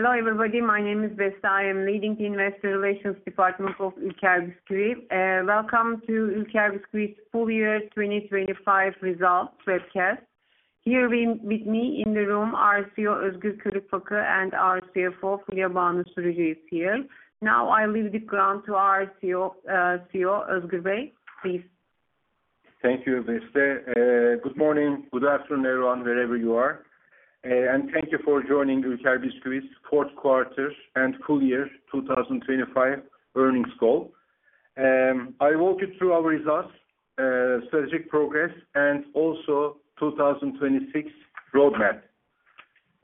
Hello everybody. My name is Beste. I am leading the Investor Relations department of Ülker Bisküvi. Welcome to Ülker Bisküvi's full year 2025 results webcast. Here with me in the room, our CEO Özgür Kölükfakı, and our CFO Fulya Banu Sürücü is here. Now, I leave the floor to our CEO Özgür Kölükfakı. Please. Thank you, Beste. Good morning, good afternoon everyone, wherever you are. Thank you for joining Ülker Bisküvi fourth quarter and full year 2025 earnings call. I'll walk you through our results, strategic progress, and also 2026 roadmap.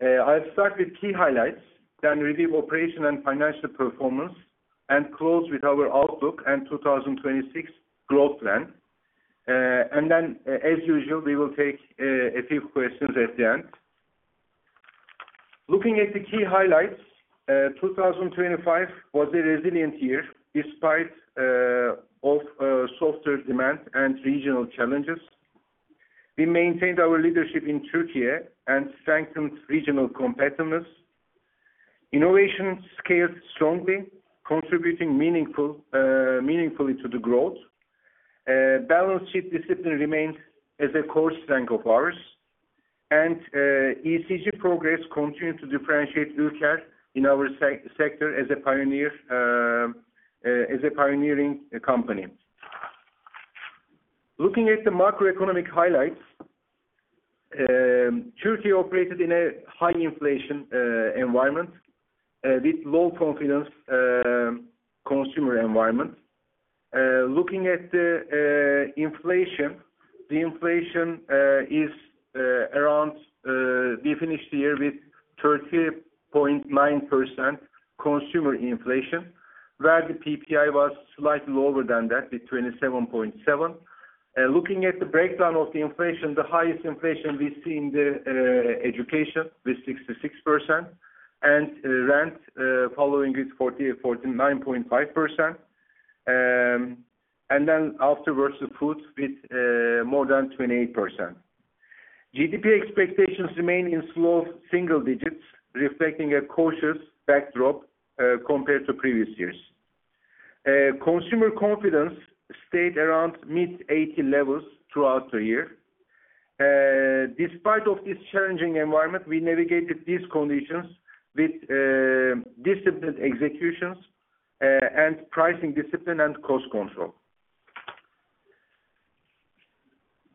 I'll start with key highlights, then review operational and financial performance, and close with our outlook and 2026 growth plan. As usual, we will take a few questions at the end. Looking at the key highlights, 2025 was a resilient year despite softer demand and regional challenges. We maintained our leadership in Turkey and strengthened regional competitiveness. Innovation scaled strongly, contributing meaningfully to the growth. Balance sheet discipline remains as a core strength of ours. ESG progress continued to differentiate Ülker in our sector as a pioneer, as a pioneering company. Looking at the macroeconomic highlights, Turkey operated in a high inflation environment with low confidence consumer environment. Looking at the inflation, we finished the year with 30.9% consumer inflation, where the PPI was slightly lower than that with 27.7%. Looking at the breakdown of the inflation, the highest inflation we see in the education with 66%, and rent following with 48%-49.5%. Afterwards the foods with more than 28%. GDP expectations remain in slow single digits, reflecting a cautious backdrop compared to previous years. Consumer confidence stayed around mid-80 levels throughout the year. Despite of this challenging environment, we navigated these conditions with disciplined executions and pricing discipline and cost control.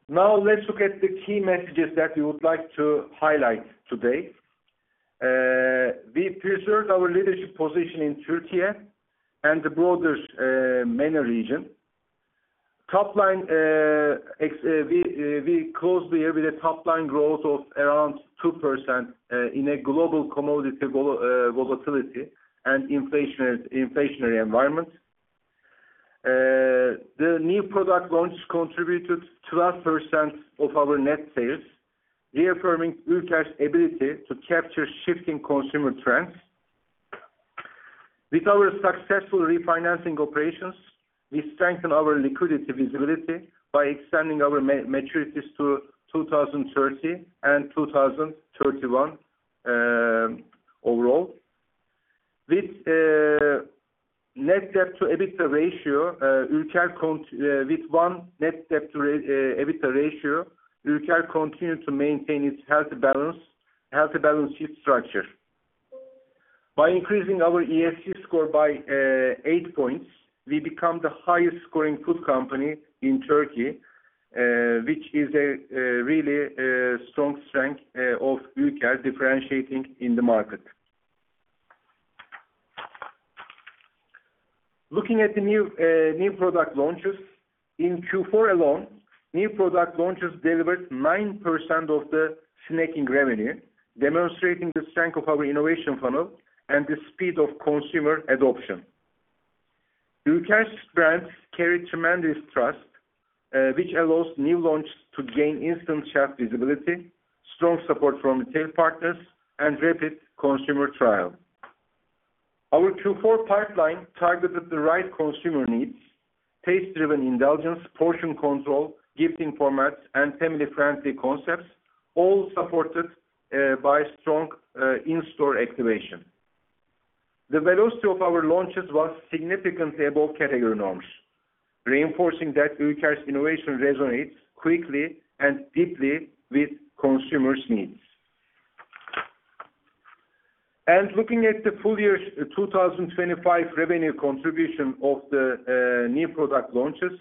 Now, let's look at the key messages that we would like to highlight today. We preserved our leadership position in Turkey and the broader MENA region. We closed the year with a top line growth of around 2% in a global commodity volatility and inflationary environment. The new product launch contributed 12% of our net sales, reaffirming Ülker's ability to capture shifting consumer trends. With our successful refinancing operations, we strengthen our liquidity visibility by extending our maturities to 2030 and 2031 overall. With net debt to EBITDA ratio, Ülker continued to maintain its healthy balance sheet structure. By increasing our ESG score by eight points, we become the highest scoring food company in Turkey, which is a really strong of Ülker differentiating in the market. Looking at the new product launches. In Q4 alone, new product launches delivered 9% of the snacking revenue, demonstrating the strength of our innovation funnel and the speed of consumer adoption. Ülker's brands carry tremendous trust, which allows new launches to gain instant shelf visibility, strong support from retail partners, and rapid consumer trial. Our Q4 pipeline targeted the right consumer needs, taste-driven indulgence, portion control, gifting formats, and family-friendly concepts, all supported by strong in-store activation. The velocity of our launches was significantly above category norms, reinforcing that Ülker's innovation resonates quickly and deeply with consumers' needs. Looking at the full year 2025 revenue contribution of the new product launches.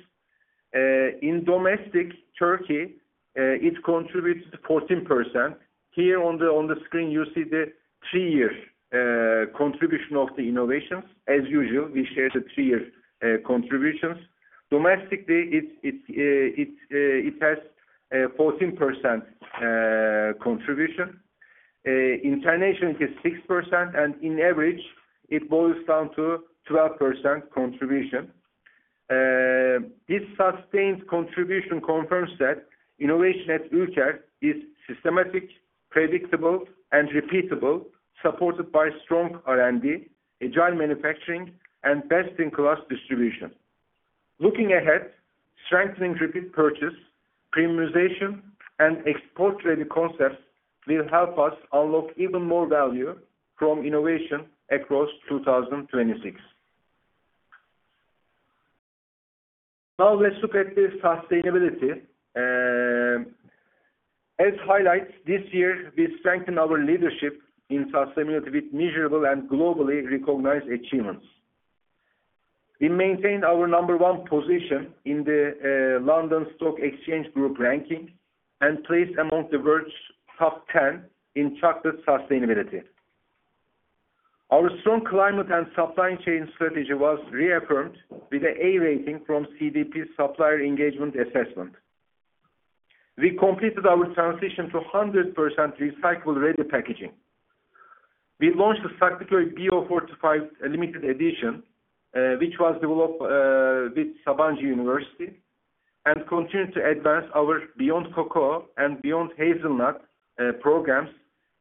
In domestic Turkey, it contributes 14%. Here on the screen you see the three-year contribution of the innovations. As usual, we share the three-year contributions. Domestically, it has a 14% contribution. International is 6%, and on average it boils down to 12% contribution. This sustained contribution confirms that innovation at Ülker is systematic, predictable, and repeatable, supported by strong R&D, agile manufacturing, and best-in-class distribution. Looking ahead, strengthening repeat purchase, premiumization, and export-ready concepts will help us unlock even more value from innovation across 2026. Now let's look at the sustainability. As highlights this year, we strengthen our leadership in sustainability with measurable and globally recognized achievements. We maintain our number one position in the London Stock Exchange Group ranking and placed among the world's top 10 in chocolate sustainability. Our strong climate and supply chain strategy was reaffirmed with an A rating from CDP Supplier Engagement Assessment. We completed our transition to 100% recycle-ready packaging. We launched the Saklıköy Kavılca Buğdaylı Limited Edition, which was developed with Sabancı University and continued to advance our Beyond Cocoa and Beyond Hazelnut programs,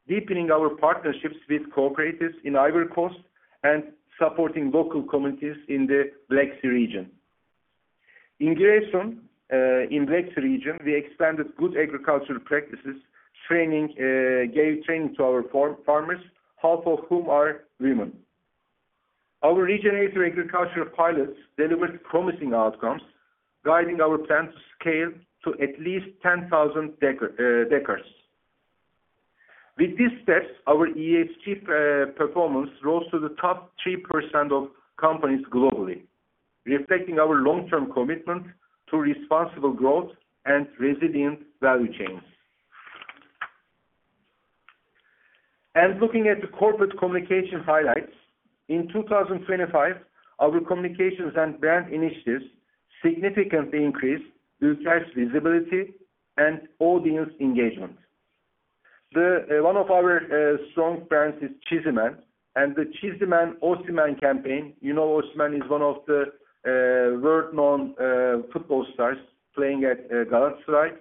deepening our partnerships with cooperatives in Ivory Coast and supporting local communities in the Black Sea region. In Giresun, in Black Sea region, we expanded good agricultural practices, training, gave training to our farmers, half of whom are women. Our regenerative agriculture pilots delivered promising outcomes, guiding our plan to scale to at least 10,000 decares. With these steps, our ESG performance rose to the top 3% of companies globally, reflecting our long-term commitment to responsible growth and resilient value chains. Looking at the corporate communication highlights, in 2025, our communications and brand initiatives significantly increased Ülker's visibility and audience engagement. One of our strong brands is Çizimen, and the Çizimen, Victor Osimhen campaign, you know Victor Osimhen is one of the world-known football stars playing at Galatasaray.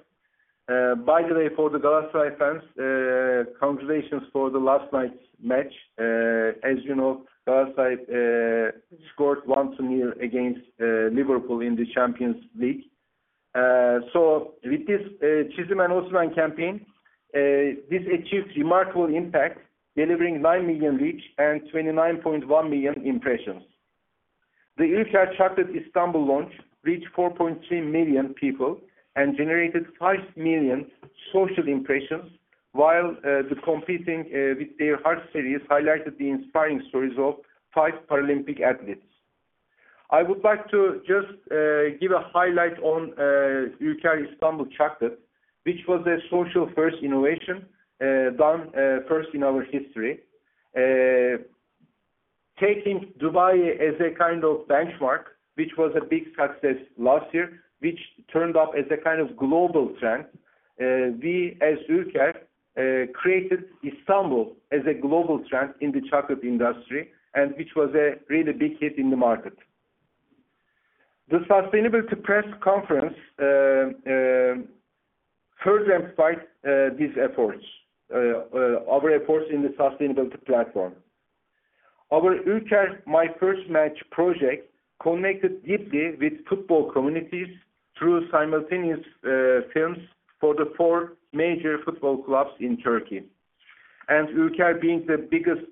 By the way, for the Galatasaray fans, congratulations for the last night's match. As you know, Galatasaray scored 1-0 against Liverpool in the Champions League. With this Çizimen, Victor Osimhen campaign, this achieved remarkable impact, delivering 9 million reach and 29.1 million impressions. The Ülker Chocolate Istanbul launch reached 4.3 million people and generated 5 million social impressions, while the compelling With Their Heart series highlighted the inspiring stories of 5 Paralympic athletes. I would like to just give a highlight on Ülker Chocolate Istanbul, which was a social first innovation done first in our history. Taking Dubai chocolate as a kind of benchmark, which was a big success last year, which turned up as a kind of global trend. We, as Ülker, created Istanbul as a global trend in the chocolate industry and which was a really big hit in the market. The sustainability press conference further amplified our efforts in the sustainability platform. Our Ülker My First Match project connected deeply with football communities through simultaneous films for the four major football clubs in Turkey. Ülker being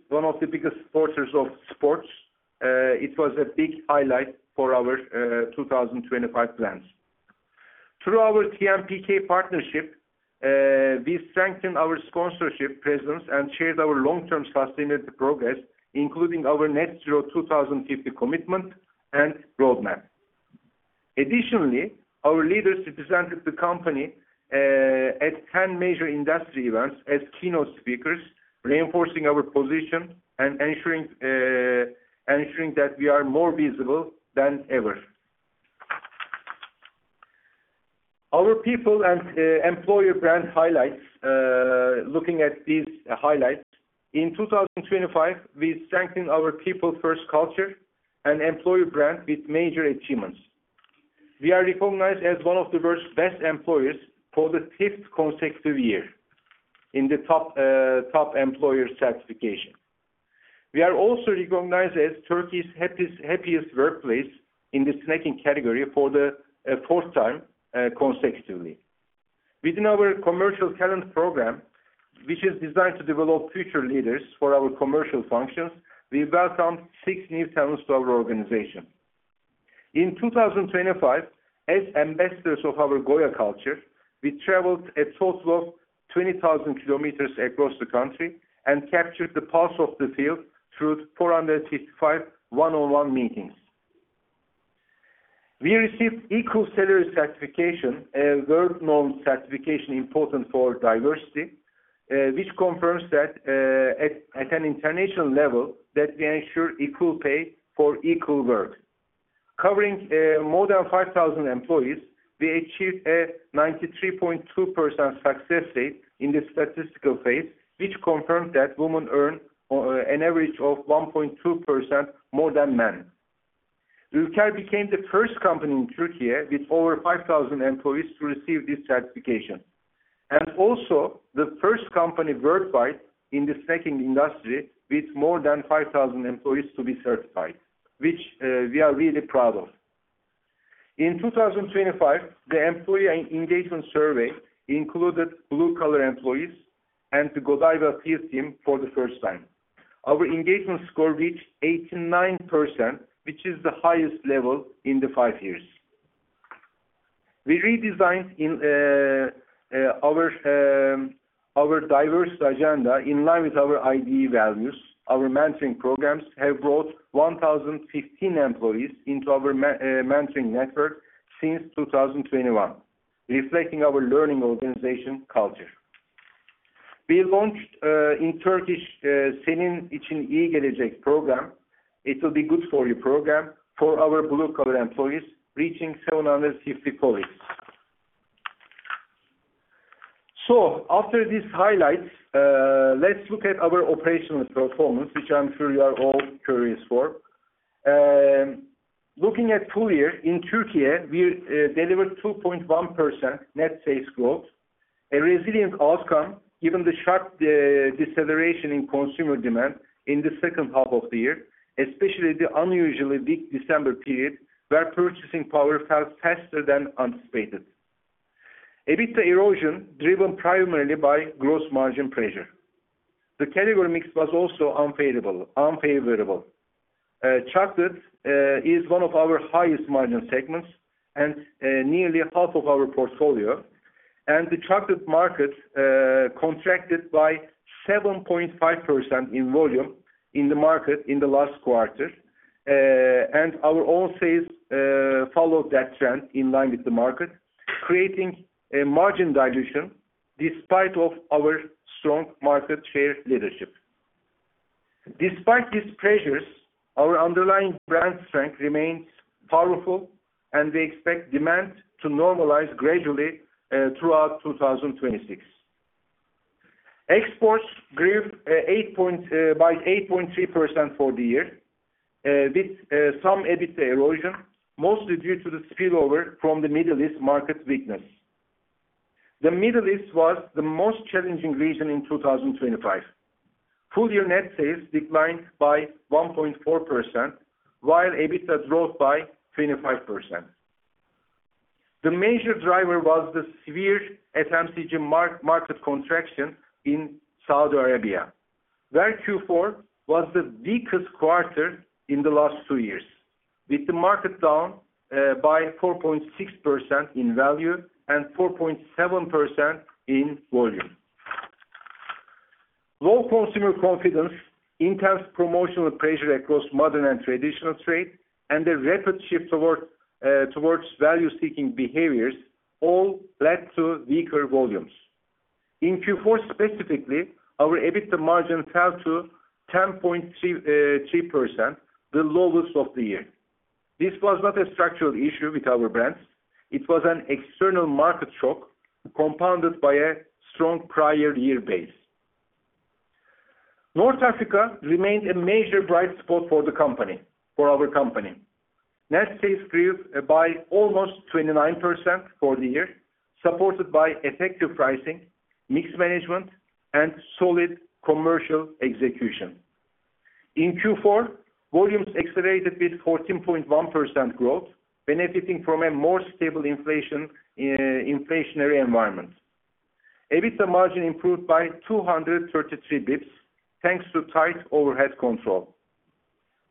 one of the biggest supporters of sports, it was a big highlight for our 2025 plans. Through our TMPK partnership, we strengthened our sponsorship presence and shared our long-term sustainability progress, including our net zero 2050 commitment and roadmap. Additionally, our leaders represented the company at 10 major industry events as keynote speakers, reinforcing our position and ensuring that we are more visible than ever. Our people and employer brand highlights. Looking at these highlights, in 2025, we strengthened our people-first culture and employer brand with major achievements. We are recognized as one of the world's best employers for the fifth consecutive year in the Top Employer certification. We are also recognized as Turkey's happiest workplace in the snacking category for the fourth time consecutively. Within our commercial talent program, which is designed to develop future leaders for our commercial functions, we've welcomed six new talents to our organization. In 2025, as ambassadors of our GOYA culture, we traveled a total of 20,000 km across the country and captured the pulse of the field through 455 one-on-one meetings. We received EQUAL-SALARY certification, a world-known certification important for diversity, which confirms that at an international level that we ensure equal pay for equal work. Covering more than 5,000 employees, we achieved a 93.2% success rate in the statistical phase, which confirmed that women earn an average of 1.2% more than men. Ülker became the first company in Turkey with over 5,000 employees to receive this certification. Also the first company worldwide in the snacking industry with more than 5,000 employees to be certified, which we are really proud of. In 2025, the employee engagement survey included blue-collar employees and the Godiva sales team for the first time. Our engagement score reached 89%, which is the highest level in the five years. We redesigned our diverse agenda in line with our ID values. Our mentoring programs have brought 1,015 employees into our mentoring network since 2021, reflecting our learning organization culture. We launched in Turkish program it will be good for you program for our blue-collar employees, reaching 750 colleagues. After these highlights, let's look at our operational performance, which I'm sure you are all curious for. Looking at full year in Turkey, we delivered 2.1% net sales growth, a resilient outcome given the sharp deceleration in consumer demand in the second half of the year, especially the unusually weak December period, where purchasing power fell faster than anticipated. EBITDA erosion driven primarily by gross margin pressure. The category mix was also unfavorable. Chocolate is one of our highest margin segments and nearly half of our portfolio. The chocolate market contracted by 7.5% in volume in the market in the last quarter. Our own sales followed that trend in line with the market, creating a margin dilution despite of our strong market share leadership. Despite these pressures, our underlying brand strength remains powerful, and we expect demand to normalize gradually throughout 2026. Exports grew by 8.3% for the year with some EBITDA erosion, mostly due to the spillover from the Middle East market weakness. The Middle East was the most challenging region in 2025. Full year net sales declined by 1.4%, while EBITDA dropped by 25%. The major driver was the severe FMCG market contraction in Saudi Arabia, where Q4 was the weakest quarter in the last two years, with the market down by 4.6% in value and 4.7% in volume. Low consumer confidence, intense promotional pressure across modern and traditional trade, and the rapid shift towards value-seeking behaviors all led to weaker volumes. In Q4 specifically, our EBITDA margin fell to 10.33%, the lowest of the year. This was not a structural issue with our brands. It was an external market shock compounded by a strong prior year base. North Africa remained a major bright spot for the company, for our company. Net sales grew by almost 29% for the year, supported by effective pricing, mix management, and solid commercial execution. In Q4, volumes accelerated with 14.1% growth, benefiting from a more stable inflationary environment. EBITDA margin improved by 233 basis points, thanks to tight overhead control.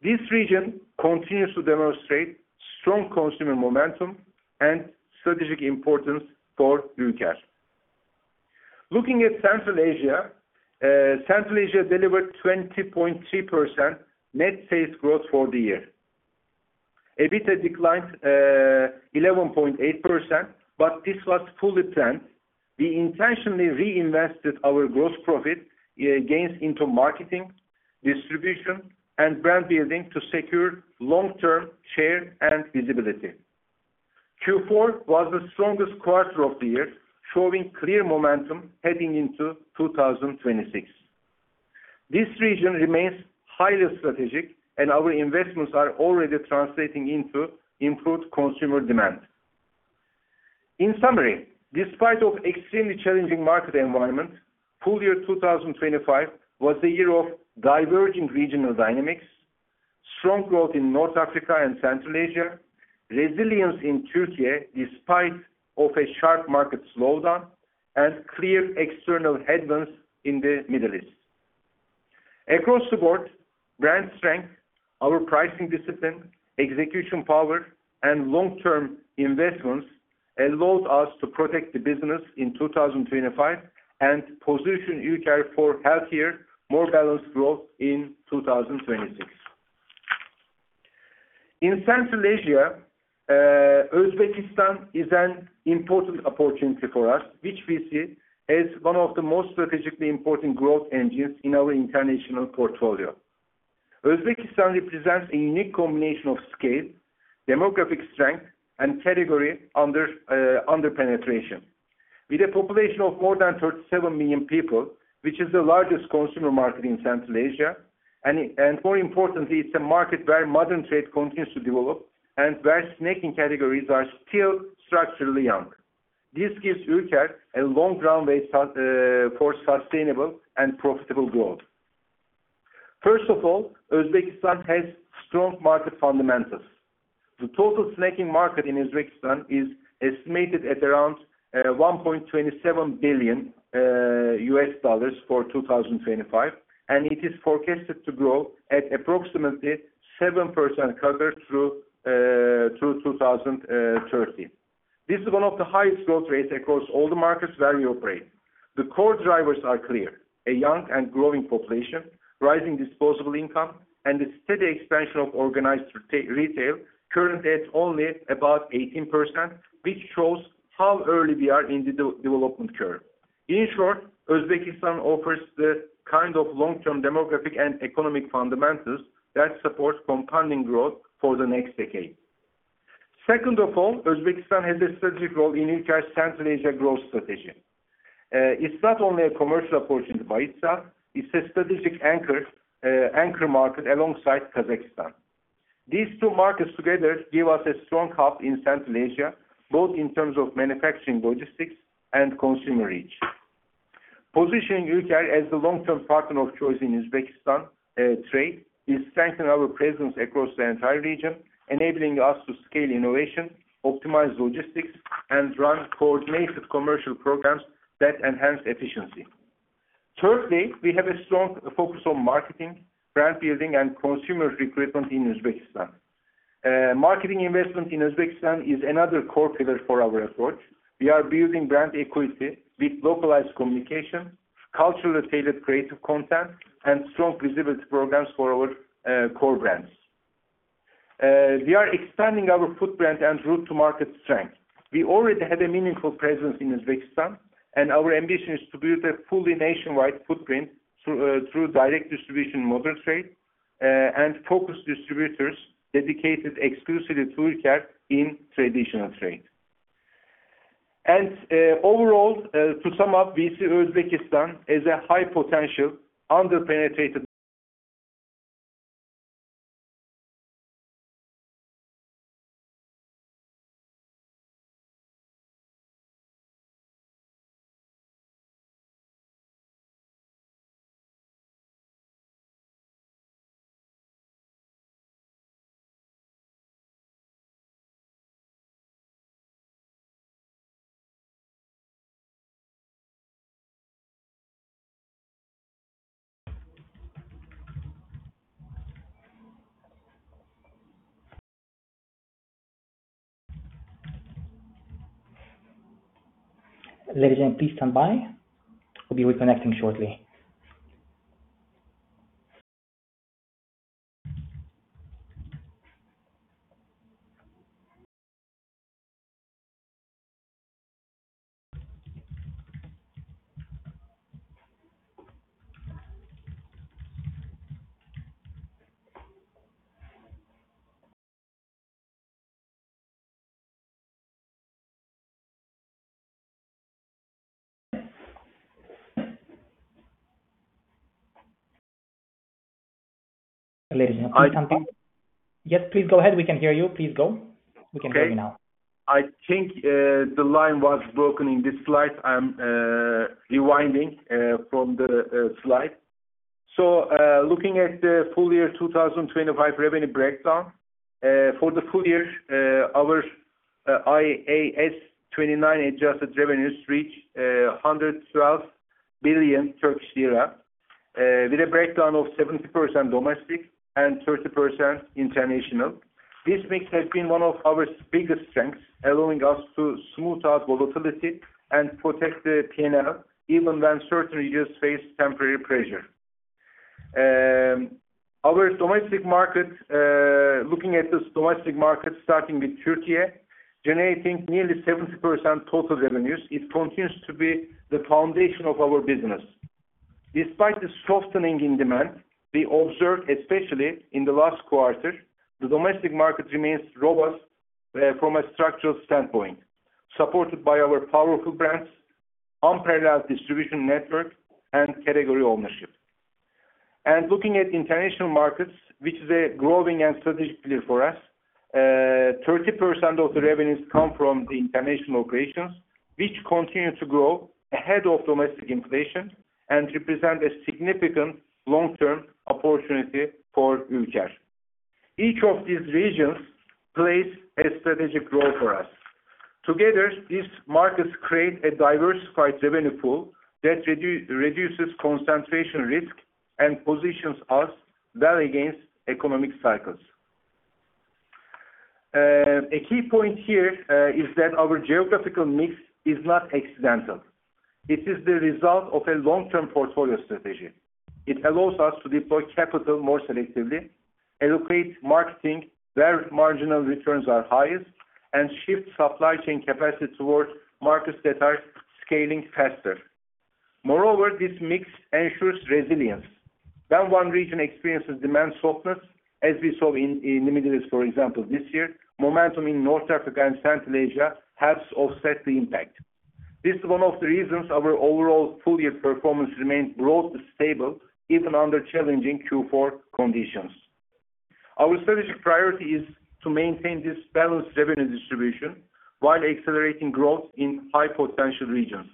This region continues to demonstrate strong consumer momentum and strategic importance for Ülker. Looking at Central Asia, it delivered 20.3% net sales growth for the year. EBITDA declined 11.8%, but this was fully planned. We intentionally reinvested our gross profit gains into marketing, distribution, and brand building to secure long-term share and visibility. Q4 was the strongest quarter of the year, showing clear momentum heading into 2026. This region remains highly strategic, and our investments are already translating into improved consumer demand. In summary, despite extremely challenging market environment, full year 2025 was a year of diverging regional dynamics, strong growth in North Africa and Central Asia, resilience in Turkey despite a sharp market slowdown, and clear external headwinds in the Middle East. Across the board, brand strength, our pricing discipline, execution power, and long-term investments allowed us to protect the business in 2025 and position Ülker for healthier, more balanced growth in 2026. In Central Asia, Uzbekistan is an important opportunity for us, which we see as one of the most strategically important growth engines in our international portfolio. Uzbekistan represents a unique combination of scale, demographic strength, and category under penetration. With a population of more than 37 million people, which is the largest consumer market in Central Asia. More importantly, it's a market where modern trade continues to develop and where snacking categories are still structurally young. This gives Ülker a long runway for sustainable and profitable growth. First of all, Uzbekistan has strong market fundamentals. The total snacking market in Uzbekistan is estimated at around $1.27 billion for 2025, and it is forecasted to grow at approximately 7% CAGR through 2030. This is one of the highest growth rates across all the markets where we operate. The core drivers are clear, a young and growing population, rising disposable income, and the steady expansion of organized retail, currently at only about 18%, which shows how early we are in the development curve. In short, Uzbekistan offers the kind of long-term demographic and economic fundamentals that supports compounding growth for the next decade. Second of all, Uzbekistan has a strategic role in Ülker's Central Asia growth strategy. It's not only a commercial opportunity by itself, it's a strategic anchor market alongside Kazakhstan. These two markets together give us a strong hub in Central Asia, both in terms of manufacturing logistics and consumer reach. Positioning Ülker as the long-term partner of choice in Uzbekistan trades to strengthen our presence across the entire region, enabling us to scale innovation, optimize logistics, and run coordinated commercial programs that enhance efficiency. Thirdly, we have a strong focus on marketing, brand building, and consumer recruitment in Uzbekistan. Marketing investment in Uzbekistan is another core pillar for our approach. We are building brand equity with localized communication, culturally tailored creative content, and strong visibility programs for our core brands. We are expanding our footprint and route to market strength. We already had a meaningful presence in Uzbekistan, and our ambition is to build a fully nationwide footprint through direct distribution modern trade and focus distributors dedicated exclusively to Ülker in traditional trade. Overall, to sum up, we see Uzbekistan as a high potential under-penetrated. Ladies and gentlemen, please stand by. We'll be reconnecting shortly. Ladies and gentlemen, please stand by. Yes, please go ahead. We can hear you. Please go. We can hear you now. Okay. I think the line was broken in this slide. I'm rewinding from the slide. Looking at the full year 2025 revenue breakdown. For the full year, our IAS 29 adjusted revenues reached 112 billion Turkish lira, with a breakdown of 70% domestic and 30% international. This mix has been one of our biggest strengths, allowing us to smooth out volatility and protect the P&L even when certain regions face temporary pressure. Our domestic market, looking at this domestic market, starting with Türkiye, generating nearly 70% total revenues, it continues to be the foundation of our business. Despite the softening in demand we observed, especially in the last quarter, the domestic market remains robust, from a structural standpoint, supported by our powerful brands, unparalleled distribution network, and category ownership. Looking at international markets, which is a growing and strategic pillar for us, 30% of the revenues come from the international operations, which continue to grow ahead of domestic inflation and represent a significant long-term opportunity for Ülker. Each of these regions plays a strategic role for us. Together, these markets create a diversified revenue pool that reduces concentration risk and positions us well against economic cycles. A key point here is that our geographical mix is not accidental. It is the result of a long-term portfolio strategy. It allows us to deploy capital more selectively, allocate marketing where marginal returns are highest, and shift supply chain capacity towards markets that are scaling faster. Moreover, this mix ensures resilience. When one region experiences demand softness, as we saw in the Middle East, for example, this year, momentum in North Africa and Central Asia helps offset the impact. This is one of the reasons our overall full year performance remained growth stable even under challenging Q4 conditions. Our strategic priority is to maintain this balanced revenue distribution while accelerating growth in high potential regions.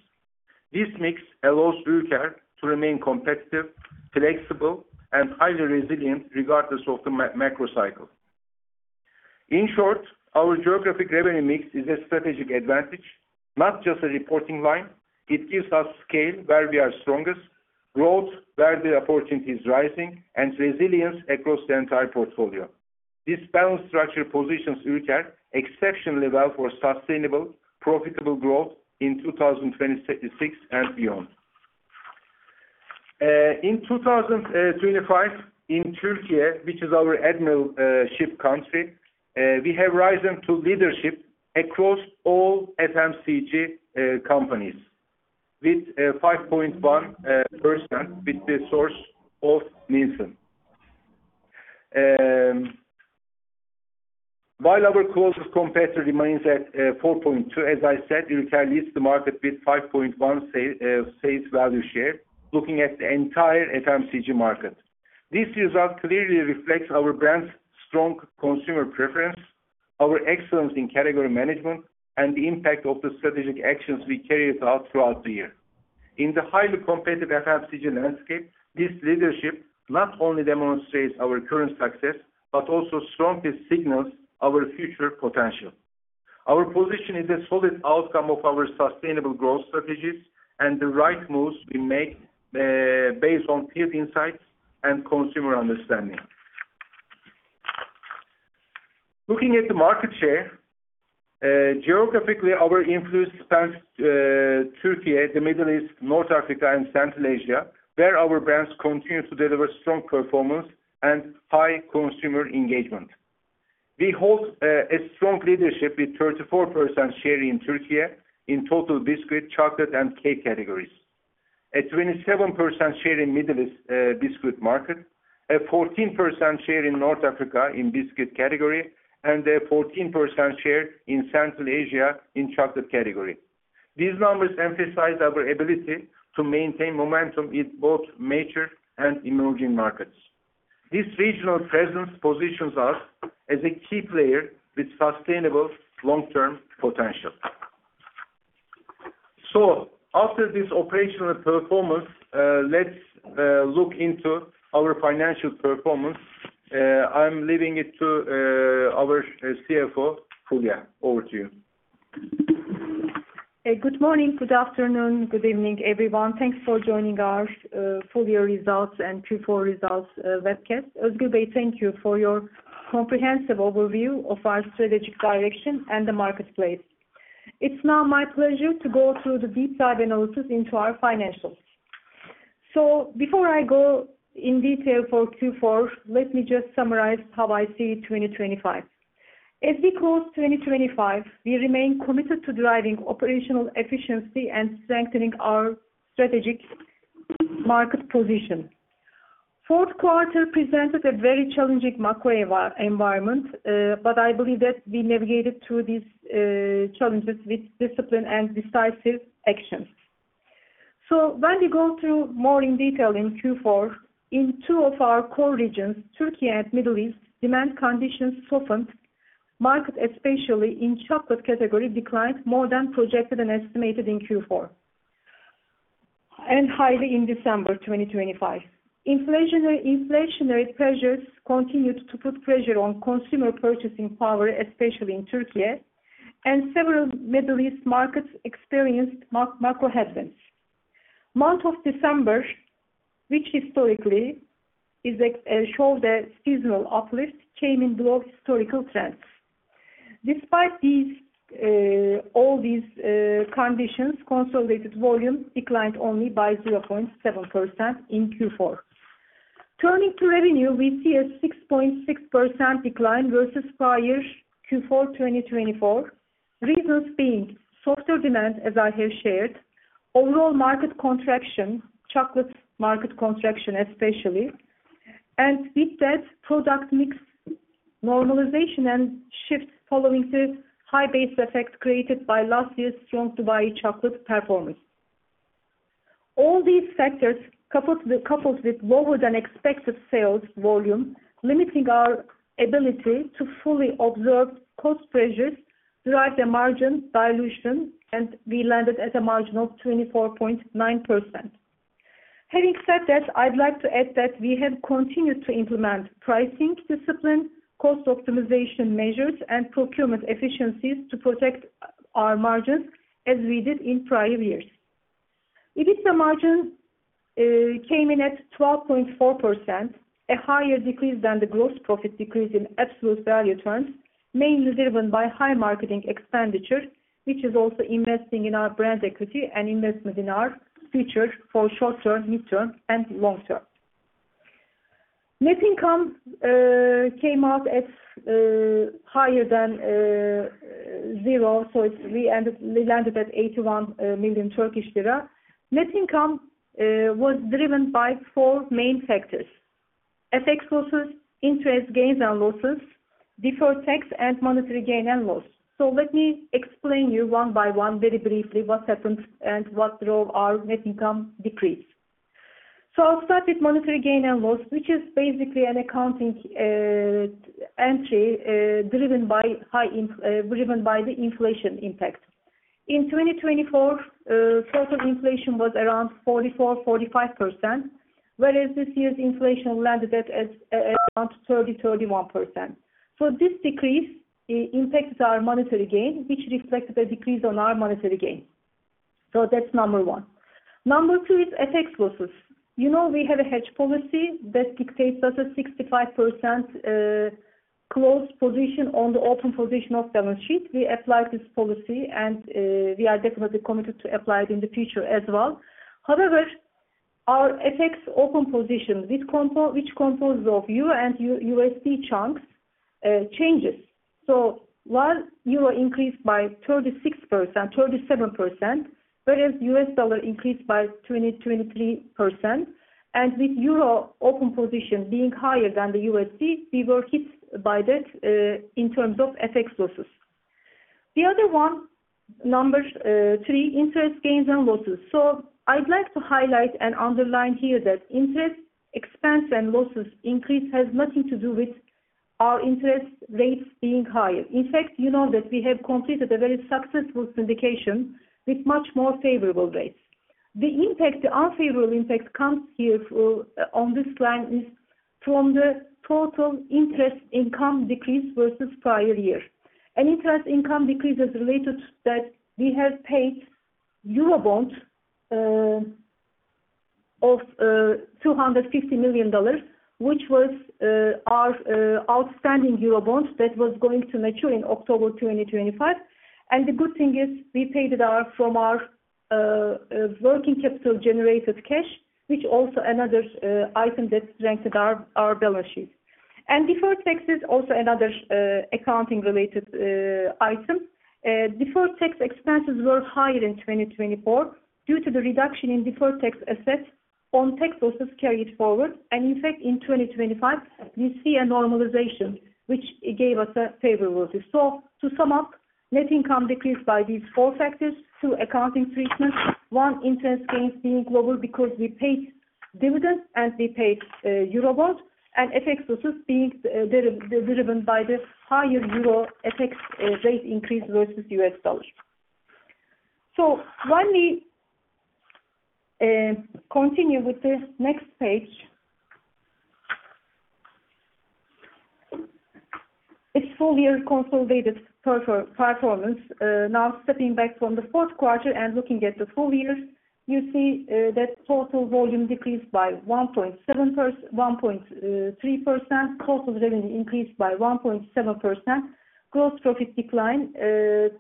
This mix allows Ülker to remain competitive, flexible, and highly resilient regardless of the macro cycle. In short, our geographic revenue mix is a strategic advantage, not just a reporting line. It gives us scale where we are strongest, growth where the opportunity is rising, and resilience across the entire portfolio. This balanced structure positions Ülker exceptionally well for sustainable, profitable growth in 2026 and beyond. In 2025 in Türkiye, which is our home country, we have risen to leadership across all FMCG companies with 5.1% with the source of Nielsen. While our closest competitor remains at 4.2%, as I said, Ülker leads the market with 5.1% sales value share looking at the entire FMCG market. This result clearly reflects our brand's strong consumer preference, our excellence in category management, and the impact of the strategic actions we carried out throughout the year. In the highly competitive FMCG landscape, this leadership not only demonstrates our current success, but also strongly signals our future potential. Our position is a solid outcome of our sustainable growth strategies and the right moves we make based on field insights and consumer understanding. Looking at the market share, geographically our influence spans Türkiye, the Middle East, North Africa, and Central Asia, where our brands continue to deliver strong performance and high consumer engagement. We hold a strong leadership with 34% share in Türkiye in total biscuit, chocolate, and cake categories. A 27% share in Middle East, biscuit market, a 14% share in North Africa in biscuit category, and a 14% share in Central Asia in chocolate category. These numbers emphasize our ability to maintain momentum in both mature and emerging markets. This regional presence positions us as a key player with sustainable long-term potential. After this operational performance, let's look into our financial performance. I'm leaving it to our CFO, Fulya. Over to you. Good morning, good afternoon, good evening, everyone. Thanks for joining our full year results and Q4 results webcast. Özgür Kölükfakı, thank you for your comprehensive overview of our strategic direction and the marketplace. It's now my pleasure to go through the deep dive analysis into our financials. Before I go in detail for Q4, let me just summarize how I see 2025. As we close 2025, we remain committed to driving operational efficiency and strengthening our strategic market position. Fourth quarter presented a very challenging macro environment, but I believe that we navigated through these challenges with discipline and decisive actions. When we go through more in detail in Q4, in two of our core regions, Türkiye and Middle East, demand conditions softened. Market, especially in chocolate category, declined more than projected and estimated in Q4, and highly in December 2025. Inflationary pressures continued to put pressure on consumer purchasing power, especially in Türkiye, and several Middle East markets experienced macro headwinds. Month of December, which historically is expected to show the seasonal uplift, came in below historical trends. Despite these, all these conditions, consolidated volume declined only by 0.7% in Q4. Turning to revenue, we see a 6.6% decline versus prior Q4 2024. Reasons being softer demand, as I have shared, overall market contraction, chocolate market contraction especially, and with that, product mix normalization and shifts following the high base effect created by last year's strong Dubai chocolate performance. All these factors coupled with lower than expected sales volume, limiting our ability to fully absorb cost pressures throughout the margin dilution, and we landed at a margin of 24.9%. Having said that, I'd like to add that we have continued to implement pricing discipline, cost optimization measures, and procurement efficiencies to protect our margins as we did in prior years. EBITDA margin came in at 12.4%, a higher decrease than the gross profit decrease in absolute value terms, mainly driven by high marketing expenditure, which is also investing in our brand equity and investment in our future for short-term, mid-term, and long-term. Net income came out at higher than zero. We landed at 81 million Turkish lira. Net income was driven by four main factors. FX losses, interest gains and losses, deferred tax, and monetary gain and loss. Let me explain you one by one very briefly what happened and what drove our net income decrease. I'll start with monetary gain and loss, which is basically an accounting entry driven by the inflation impact. In 2024, total inflation was around 44%-45%, whereas this year's inflation landed at around 30%-31%. This decrease impacts our monetary gain, which reflects the decrease on our monetary gain. That's number one. Number two is FX losses. You know, we have a hedge policy that dictates us a 65% close position on the open position of balance sheet. We applied this policy, and we are definitely committed to apply it in the future as well. However, our FX open position, which composed of Euro and USD chunks, changes. While Euro increased by 36%-37%, whereas U.S. dollar increased by 20%-23%. With Euro open position being higher than the USD, we were hit by that, in terms of FX losses. The other one, number three, interest gains and losses. I'd like to highlight and underline here that interest expense and losses increase has nothing to do with our interest rates being higher. In fact, you know that we have completed a very successful syndication with much more favorable rates. The impact, the unfavorable impact comes here through, on this line is from the total interest income decrease versus prior year. An interest income decrease is related that we have paid Eurobond of $250 million, which was our outstanding Eurobonds that was going to mature in October 2025. The good thing is we paid it from our working capital generated cash, which also another item that strengthened our balance sheet. Deferred taxes, also another accounting related item. Deferred tax expenses were higher in 2024 due to the reduction in deferred tax assets on tax losses carried forward. In fact, in 2025, we see a normalization which gave us a favorability. To sum up, net income decreased by these four factors through accounting treatment. One, interest gains being lower because we paid dividends and we paid Eurobonds. FX losses being driven by the higher Euro FX rate increase versus U.S. dollar. Why don't we continue with the next page. It's full-year consolidated performance. Now stepping back from the fourth quarter and looking at the full year, you see that total volume decreased by 1.3%. Cost of revenue increased by 1.7%. Gross profit declined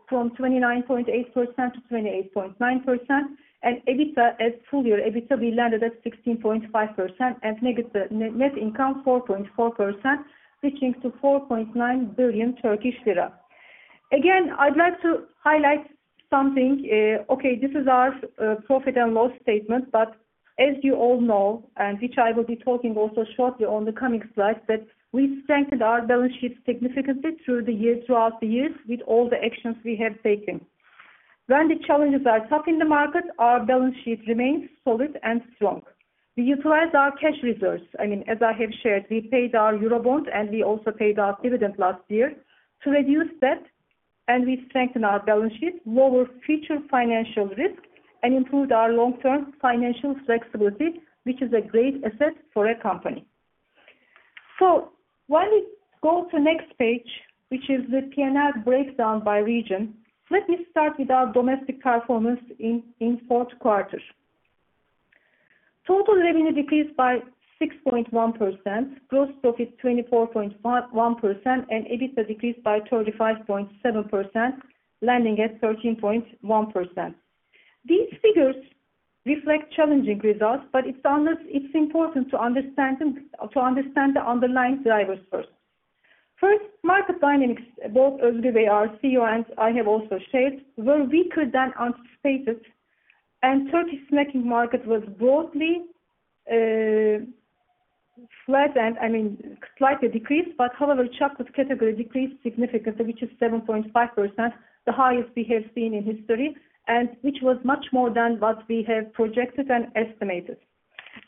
from 29.8% to 28.9%. EBITDA, as full-year EBITDA, we landed at 16.5%. Negative net income, 4.4%, reaching 4.9 billion Turkish lira. Again, I'd like to highlight something. Okay, this is our profit and loss statement. As you all know, and which I will be talking also shortly on the coming slides, that we strengthened our balance sheets significantly throughout the years with all the actions we have taken. When the challenges are tough in the market, our balance sheet remains solid and strong. We utilize our cash reserves. I mean, as I have shared, we paid our Eurobonds, and we also paid our dividend last year to reduce debt, and we strengthen our balance sheet, lower future financial risk, and improve our long-term financial flexibility, which is a great asset for a company. Why don't we go to next page, which is the P&L breakdown by region. Let me start with our domestic performance in fourth quarter. Total revenue decreased by 6.1%. Gross profit, 24.51%, and EBITDA decreased by 35.7%, landing at 13.1%. These figures reflect challenging results, but it's important to understand the underlying drivers first. First, market dynamics, both Özgür, our CEO, and I have also shared, were weaker than anticipated, and Turkish snacking market was broadly flat, and I mean, slightly decreased. But however, chocolate category decreased significantly, which is 7.5%, the highest we have seen in history, and which was much more than what we have projected and estimated.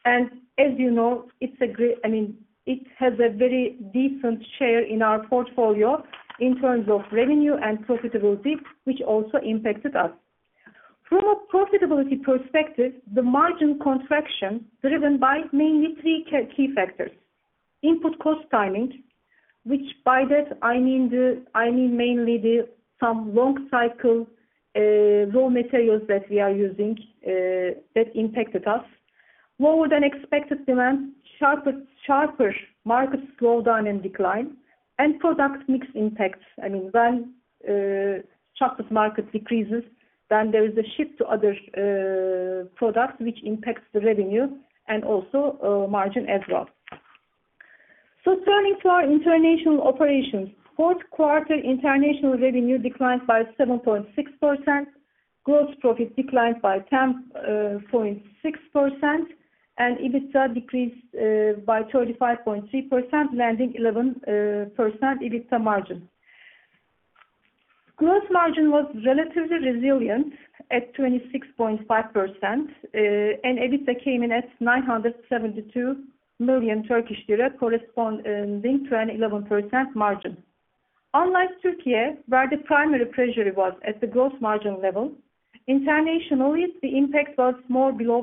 As you know, I mean, it has a very different share in our portfolio in terms of revenue and profitability, which also impacted us. From a profitability perspective, the margin contraction driven by mainly three key factors. Input cost timing, which by that I mean mainly the some long cycle raw materials that we are using that impacted us. Lower than expected demand. Sharper market slowdown and decline. Product mix impacts. I mean, when chocolate market decreases, then there is a shift to other products which impacts the revenue and also margin as well. Turning to our international operations. Fourth quarter international revenue declined by 7.6%. Gross profit declined by 10.6%. EBITDA decreased by 35.3%, landing 11% EBITDA margin. Gross margin was relatively resilient at 26.5%. EBITDA came in at 972 million Turkish lira, corresponding to an 11% margin. Unlike Turkey, where the primary pressure was at the gross margin level, internationally, the impact was more below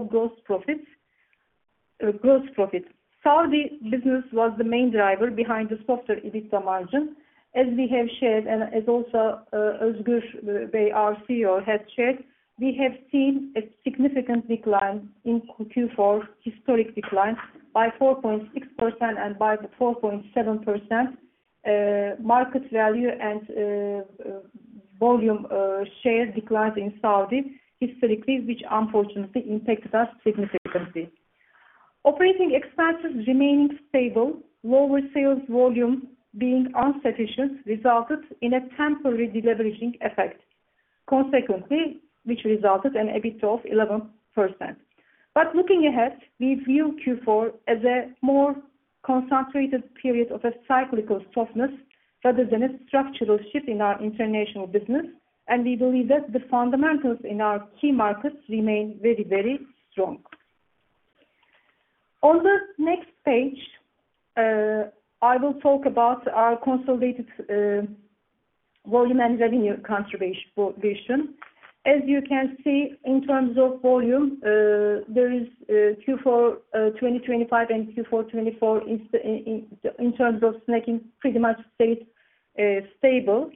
gross profit. Saudi business was the main driver behind this softer EBITDA margin. As we have shared, and as also Özgür, our CEO has shared, we have seen a significant decline in Q4, historic decline by 4.6% and by 4.7%, market value and volume share declines in Saudi historically, which unfortunately impacted us significantly. Operating expenses remained stable. Lower sales volume being insufficient resulted in a temporary deleveraging effect, consequently, which resulted in EBITDA of 11%. But looking ahead, we view Q4 as a more concentrated period of a cyclical softness rather than a structural shift in our international business. We believe that the fundamentals in our key markets remain very, very strong. On the next page, I will talk about our consolidated volume and revenue contribution. As you can see, in terms of volume, there is Q4 2025 and Q4 2024 in terms of snacking pretty much stayed stable.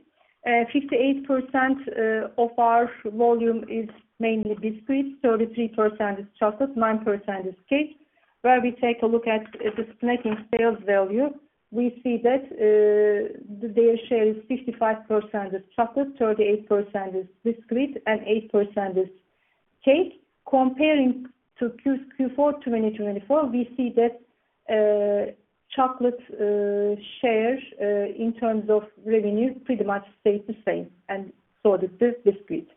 58% of our volume is mainly biscuit. 33% is chocolate, 9% is cake. When we take a look at the snacking sales value, we see that their share is 55% is chocolate, 38% is biscuit and 8% is cake. Comparing to Q4 2024, we see that chocolate shares in terms of revenue pretty much stayed the same, and so did the biscuit.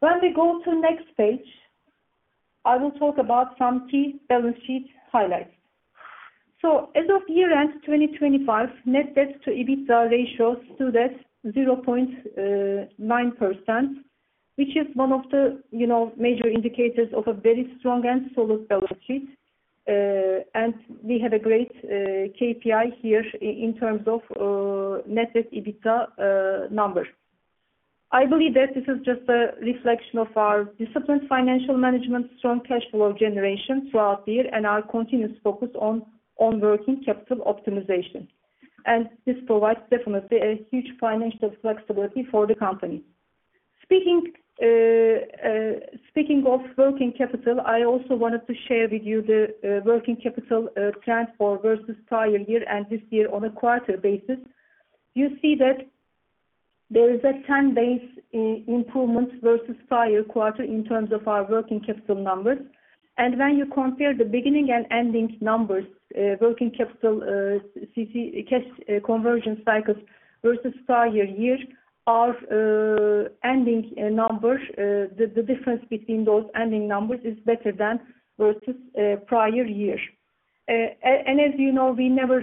When we go to next page, I will talk about some key balance sheet highlights. As of year-end 2025, net debt to EBITDA ratio stood at 0.9%, which is one of the, you know, major indicators of a very strong and solid balance sheet. We have a great KPI here in terms of net debt EBITDA number. I believe that this is just a reflection of our disciplined financial management, strong cash flow generation throughout the year, and our continuous focus on working capital optimization. This provides definitely a huge financial flexibility for the company. Speaking of working capital, I also wanted to share with you the working capital trend versus prior year and this year on a quarter basis. You see that there is a 10 basis point improvement versus prior quarter in terms of our working capital numbers. When you compare the beginning and ending numbers, working capital, CC, cash conversion cycles versus prior year, our ending numbers, the difference between those ending numbers is better than versus prior year. As you know, we never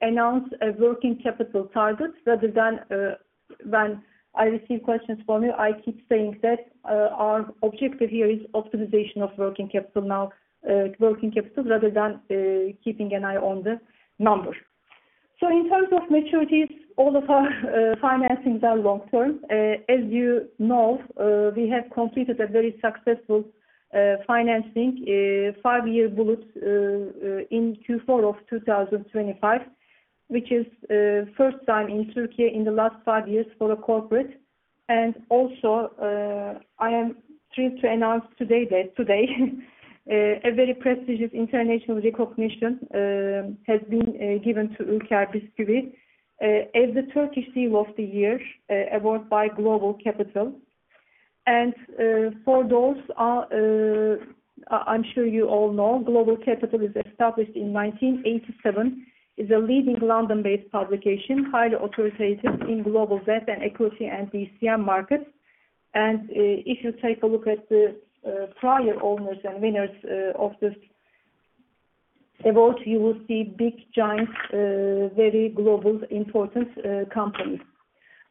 announce a working capital target rather than, when I receive questions from you, I keep saying that, our objective here is optimization of working capital now, working capital rather than keeping an eye on the number. In terms of maturities, all of our financings are long term. As you know, we have completed a very successful financing, five-year bullets, in Q4 of 2025, which is first time in Turkey in the last five years for a corporate. I am thrilled to announce today that a very prestigious international recognition has been given to Ülker Bisküvi as the Turkish Deal of the Year Award by GlobalCapital. For those, I'm sure you all know, GlobalCapital is established in 1987, is a leading London-based publication, highly authoritative in global debt and equity and DCM markets. If you take a look at the prior owners and winners of this award, you will see big giants, very global important companies.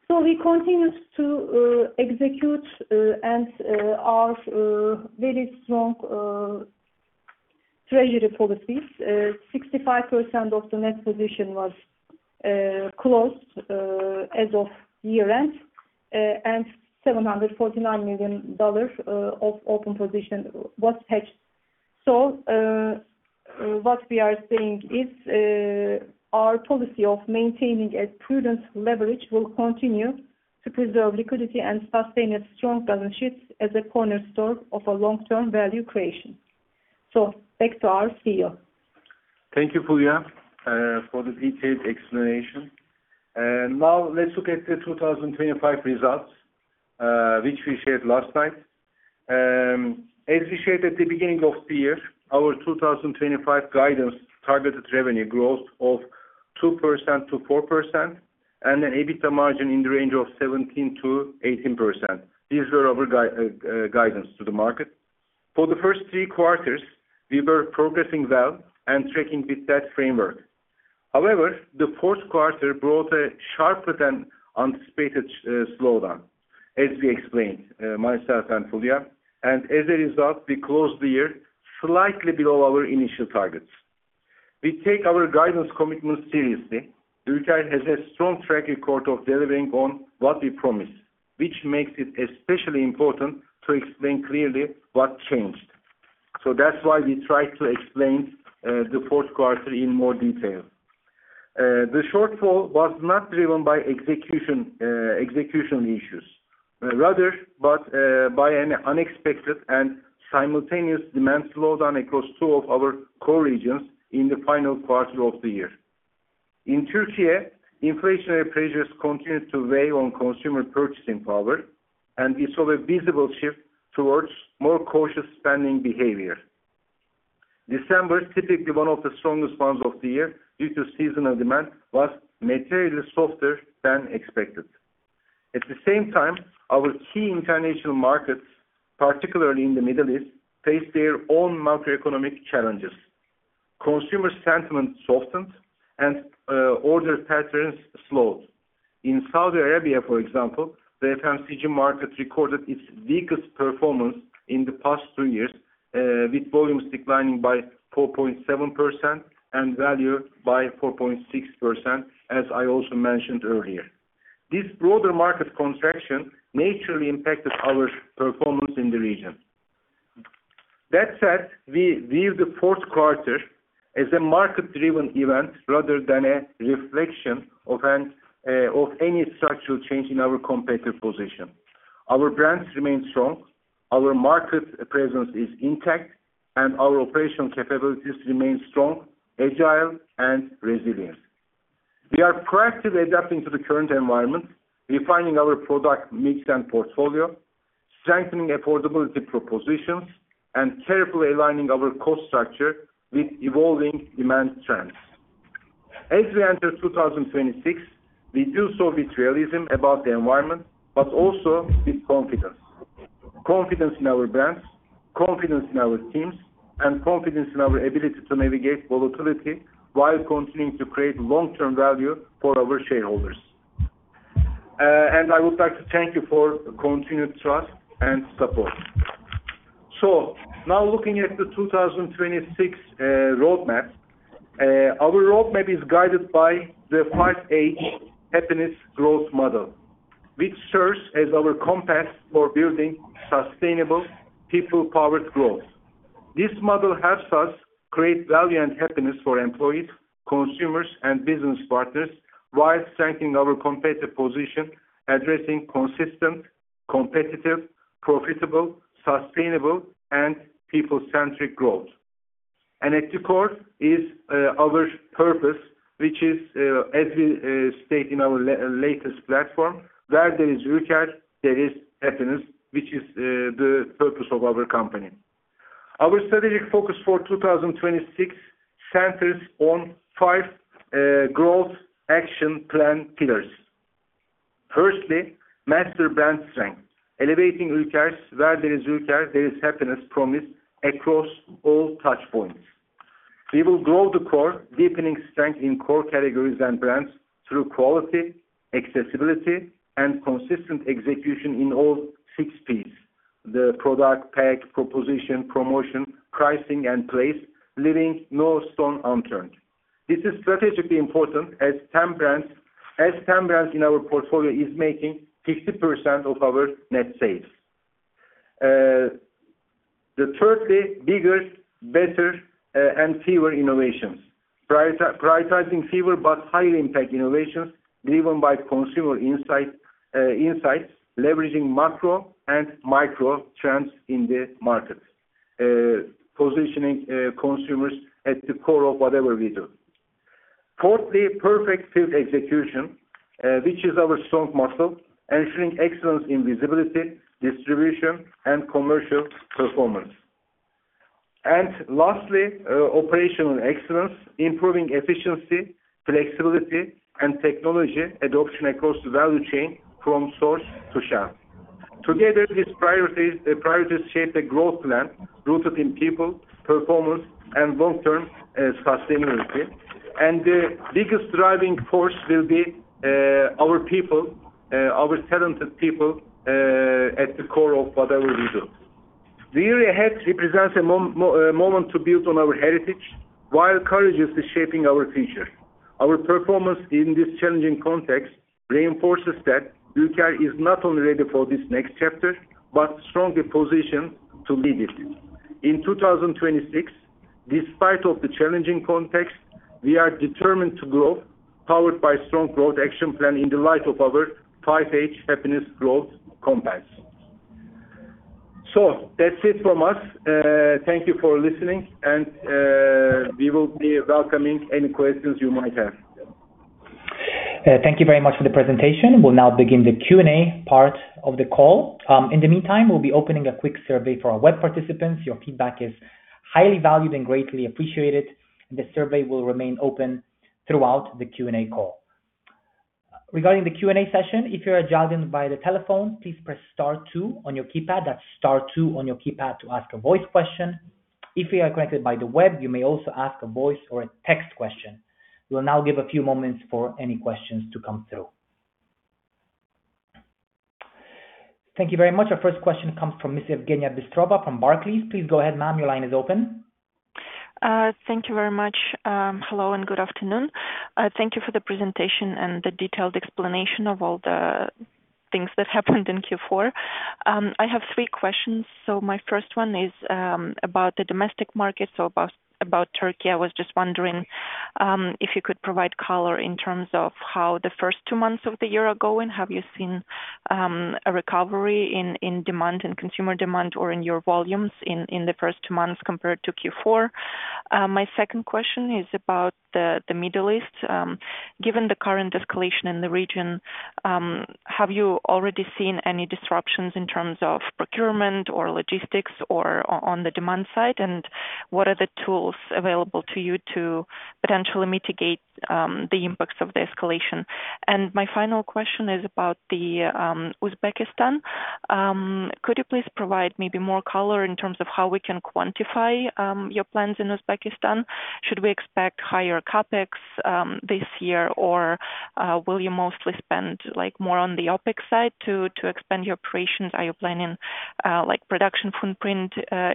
We continue to execute and our very strong treasury policies. 65% of the net position was closed as of year-end. And $749 million of open position was hedged. What we are saying is, our policy of maintaining a prudent leverage will continue to preserve liquidity and sustain a strong balance sheet as a cornerstone of a long-term value creation. Back to our CEO. Thank you, Fulya, for the detailed explanation. Now let's look at the 2025 results, which we shared last night. As we shared at the beginning of the year, our 2025 guidance targeted revenue growth of 2%-4% and an EBITDA margin in the range of 17%-18%. These were our guidance to the market. For the first three quarters, we were progressing well and tracking with that framework. However, the fourth quarter brought a sharper than anticipated slowdown, as we explained, myself and Fulya. As a result, we closed the year slightly below our initial targets. We take our guidance commitments seriously. Ülker has a strong track record of delivering on what we promise, which makes it especially important to explain clearly what changed. That's why we try to explain the fourth quarter in more detail. The shortfall was not driven by execution issues, rather by an unexpected and simultaneous demand slowdown across two of our core regions in the final quarter of the year. In Turkey, inflationary pressures continued to weigh on consumer purchasing power, and we saw a visible shift towards more cautious spending behavior. December, typically one of the strongest months of the year due to seasonal demand, was materially softer than expected. At the same time, our key international markets, particularly in the Middle East, faced their own macroeconomic challenges. Consumer sentiment softened and order patterns slowed. In Saudi Arabia, for example, the FMCG market recorded its weakest performance in the past two years, with volumes declining by 4.7% and value by 4.6%, as I also mentioned earlier. This broader market contraction naturally impacted our performance in the region. That said, we view the fourth quarter as a market-driven event rather than a reflection of any structural change in our competitive position. Our brands remain strong, our market presence is intact, and our operational capabilities remain strong, agile, and resilient. We are proactively adapting to the current environment, refining our product mix and portfolio, strengthening affordability propositions, and carefully aligning our cost structure with evolving demand trends. As we enter 2026, we do so with realism about the environment, but also with confidence. Confidence in our brands, confidence in our teams, and confidence in our ability to navigate volatility while continuing to create long-term value for our shareholders. I would like to thank you for your continued trust and support. Now looking at the 2026 roadmap. Our roadmap is guided by the Five H Happiness Growth Model, which serves as our compass for building sustainable people-powered growth. This model helps us create value and happiness for employees, consumers, and business partners while strengthening our competitive position, addressing consistent, competitive, profitable, sustainable, and people-centric growth. At the core is our purpose, which is, as we state in our latest platform, "Where there is Ülker, there is happiness," which is the purpose of our company. Our strategic focus for 2026 centers on five growth action plan pillars. Firstly, master brand strength, elevating Ülker's "Where there is Ülker, there is happiness" promise across all touch points. We will grow the core, deepening strength in core categories and brands through quality, accessibility, and consistent execution in all six Ps, the Product, Pack, Proposition, Promotion, Pricing, and Place, leaving no stone unturned. This is strategically important as 10 brands in our portfolio is making 50% of our net sales. Thirdly, bigger, better, and fewer innovations. Prioritizing fewer but high impact innovations driven by consumer insights, leveraging macro and micro trends in the market, positioning consumers at the core of whatever we do. Fourthly, perfect field execution, which is our strong muscle, ensuring excellence in visibility, distribution, and commercial performance. Lastly, operational excellence, improving efficiency, flexibility, and technology adoption across the value chain from source to shelf. Together, these priorities shape the growth plan rooted in people, performance, and long-term sustainability. The biggest driving force will be our people, our talented people at the core of whatever we do. The year ahead represents a moment to build on our heritage while courageously shaping our future. Our performance in this challenging context reinforces that Ülker is not only ready for this next chapter, but strongly positioned to lead it. In 2026, despite of the challenging context, we are determined to grow, powered by strong growth action plan in the light of our Five H Happiness Growth Model. That's it from us. Thank you for listening, and we will be welcoming any questions you might have. Thank you very much for the presentation. We'll now begin the Q&A part of the call. In the meantime, we'll be opening a quick survey for our web participants. Your feedback is highly valued and greatly appreciated. The survey will remain open throughout the Q&A call. Regarding the Q&A session, if you're joining by the telephone, please press star two on your keypad. That's star two on your keypad to ask a voice question. If you are connected by the web, you may also ask a voice or a text question. We'll now give a few moments for any questions to come through. Thank you very much. Our first question comes from Miss Evgeniya Bystrova from Barclays. Please go ahead, ma'am. Your line is open. Thank you very much. Hello and good afternoon. Thank you for the presentation and the detailed explanation of all the things that happened in Q4. I have three questions. My first one is about the domestic market, so about Turkey. I was just wondering if you could provide color in terms of how the first two months of the year are going. Have you seen a recovery in demand, in consumer demand or in your volumes in the first two months compared to Q4? My second question is about the Middle East. Given the current escalation in the region, have you already seen any disruptions in terms of procurement or logistics or on the demand side? What are the tools available to you to potentially mitigate the impacts of the escalation? My final question is about the Uzbekistan. Could you please provide maybe more color in terms of how we can quantify your plans in Uzbekistan? Should we expect higher CapEx this year, or will you mostly spend like more on the OpEx side to expand your operations? Are you planning like production footprint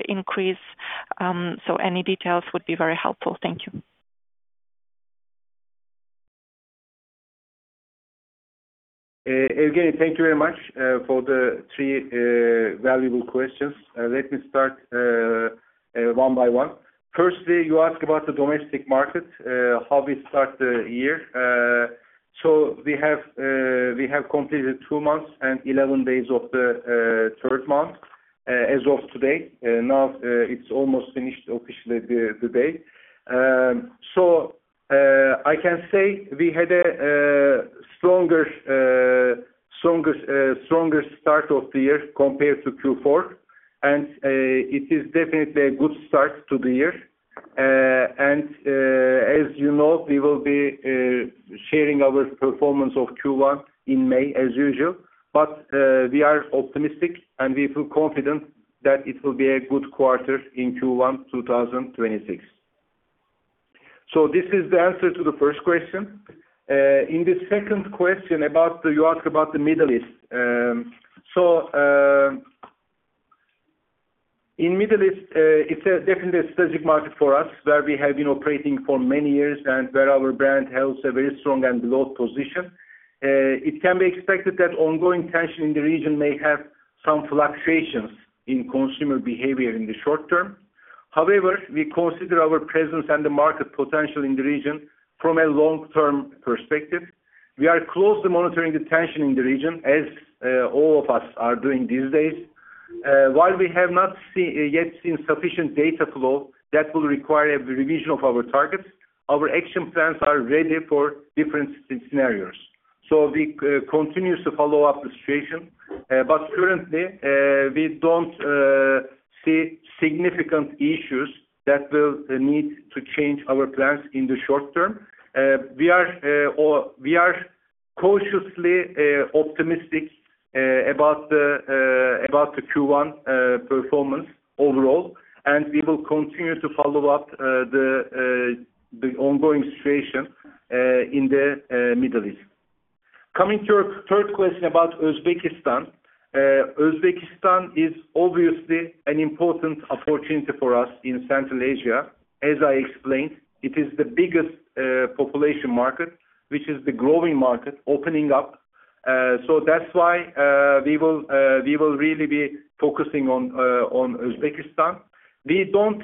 increase? Any details would be very helpful. Thank you. Evgeniya, thank you very much for the three valuable questions. Let me start one by one. Firstly, you ask about the domestic market, how we start the year. We have completed two months and 11 days of the third month as of today. Now, it's almost finished officially today. I can say we had a stronger start of the year compared to Q4, and it is definitely a good start to the year. As you know, we will be sharing our performance of Q1 in May as usual. We are optimistic, and we feel confident that it will be a good quarter in Q1, 2026. This is the answer to the first question. In the second question you ask about the Middle East. In the Middle East, it's definitely a strategic market for us, where we have been operating for many years and where our brand holds a very strong and loyal position. It can be expected that ongoing tension in the region may have some fluctuations in consumer behavior in the short term. However, we consider our presence and the market potential in the region from a long-term perspective. We are closely monitoring the tension in the region, as all of us are doing these days. While we have not yet seen sufficient data flow that will require a revision of our targets. Our action plans are ready for different scenarios. We continue to follow up the situation. Currently, we don't see significant issues that will need to change our plans in the short term. We are cautiously optimistic about the Q1 performance overall, and we will continue to follow up on the ongoing situation in the Middle East. Coming to your third question about Uzbekistan. Uzbekistan is obviously an important opportunity for us in Central Asia. As I explained, it is the biggest population market, which is the growing market opening up. That's why we will really be focusing on Uzbekistan. We don't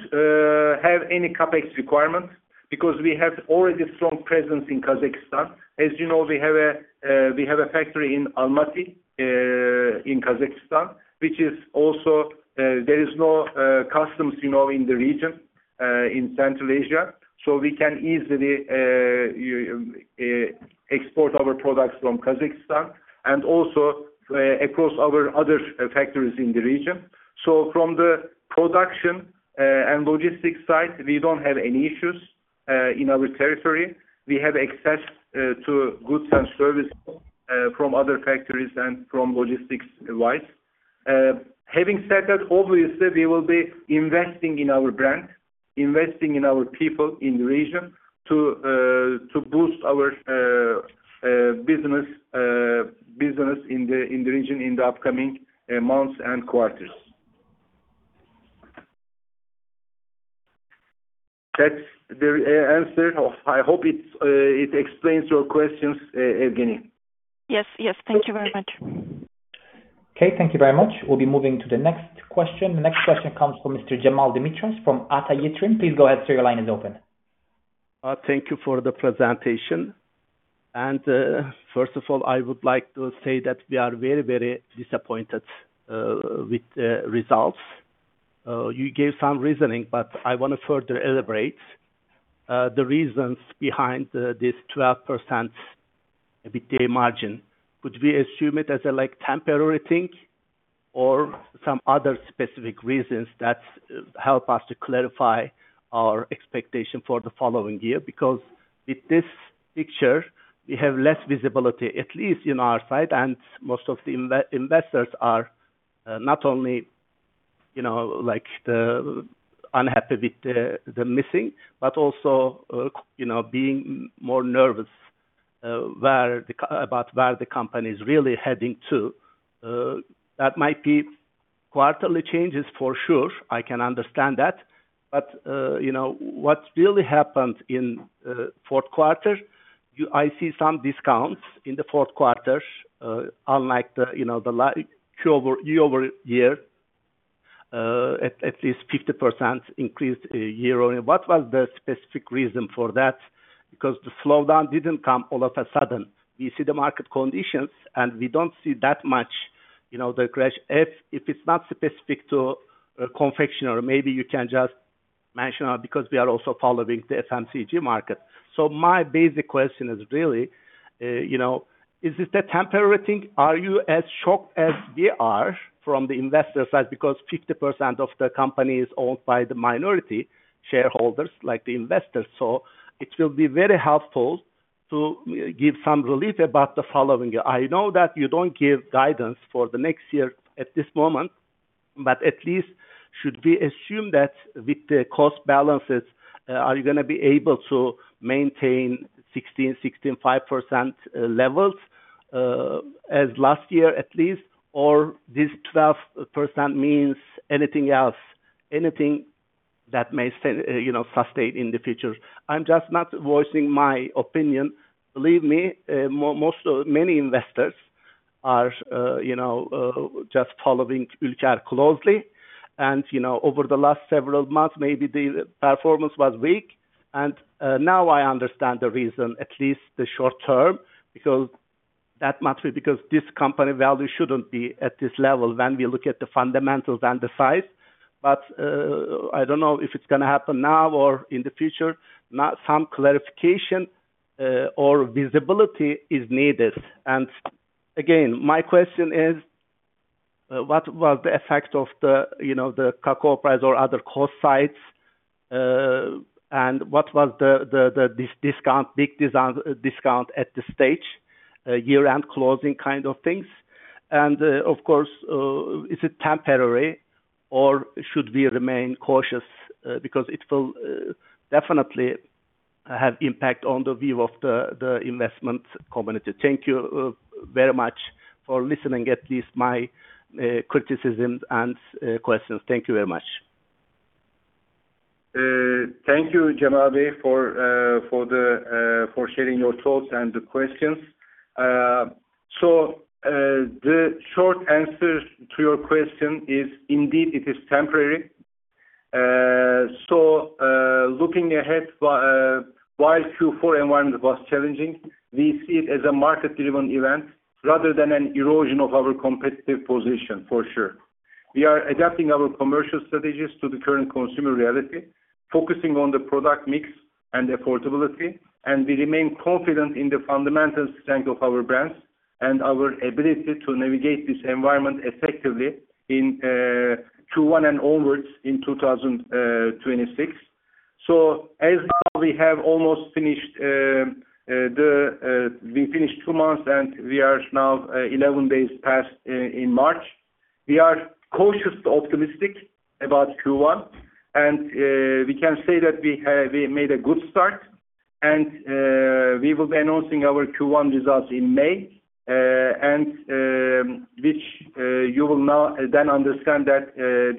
have any CapEx requirements because we already have a strong presence in Kazakhstan. As you know, we have a factory in Almaty in Kazakhstan, which is also there is no customs, you know, in the region in Central Asia. We can easily export our products from Kazakhstan and also across our other factories in the region. From the production and logistics side, we don't have any issues in our territory. We have access to goods and services from other factories and from logistics wide. Having said that, obviously, we will be investing in our brand, investing in our people in the region to boost our business in the region in the upcoming months and quarters. That's the answer. I hope it explains your questions, Evgeniya. Yes. Yes. Thank you very much. Okay. Thank you very much. We'll be moving to the next question. The next question comes from Mr. Cemal Demirtaş from Ata Yatırım. Please go ahead, sir. Your line is open. Thank you for the presentation. First of all, I would like to say that we are very, very disappointed with the results. You gave some reasoning, but I want to further elaborate the reasons behind this 12% EBITDA margin. Could we assume it as a like temporary thing or some other specific reasons that help us to clarify our expectation for the following year? Because with this picture we have less visibility, at least on our side, and most of the investors are not only, you know, like unhappy with the missing, but also, you know, being more nervous about where the company is really heading to. That might be quarterly changes for sure. I can understand that. You know, what really happened in fourth quarter, I see some discounts in the fourth quarter, unlike the last quarter year over year, at least 50% increased year on year. What was the specific reason for that? Because the slowdown didn't come all of a sudden. We see the market conditions and we don't see that much, you know, the crash. If it's not specific to confection or maybe you can just mention because we are also following the FMCG market. So my basic question is really, you know, is this a temporary thing? Are you as shocked as we are from the investor side because 50% of the company is owned by the minority shareholders, like the investors. So it will be very helpful to give some relief about the following year. I know that you don't give guidance for the next year at this moment, but at least should we assume that with the cost balances, are you going to be able to maintain 16.5% levels, as last year at least, or this 12% means anything else, anything that may sustain in the future? I'm just not voicing my opinion. Believe me, many investors are, you know, just following Ülker closely. You know, over the last several months, maybe the performance was weak. Now I understand the reason, at least the short term, because that much, because this company value shouldn't be at this level when we look at the fundamentals and the size. I don't know if it's going to happen now or in the future. Now some clarification or visibility is needed. Again, my question is, what was the effect of you know the cacao price or other cost sides? And what was the big discount at this stage, year-end closing kind of things? Of course, is it temporary or should we remain cautious because it will definitely have impact on the view of the investment community? Thank you very much for listening, at least my criticisms and questions. Thank you very much. Thank you, Cemal, for sharing your thoughts and the questions. The short answer to your question is indeed it is temporary. Looking ahead, while Q4 environment was challenging, we see it as a market-driven event rather than an erosion of our competitive position, for sure. We are adapting our commercial strategies to the current consumer reality, focusing on the product mix and affordability, and we remain confident in the fundamental strength of our brands and our ability to navigate this environment effectively in Q1 and onwards in 2006. As now we have almost finished, we finished two months and we are now 11 days past in March. We are cautiously optimistic about Q1, and we can say that we made a good start and we will be announcing our Q1 results in May. Which you will now then understand that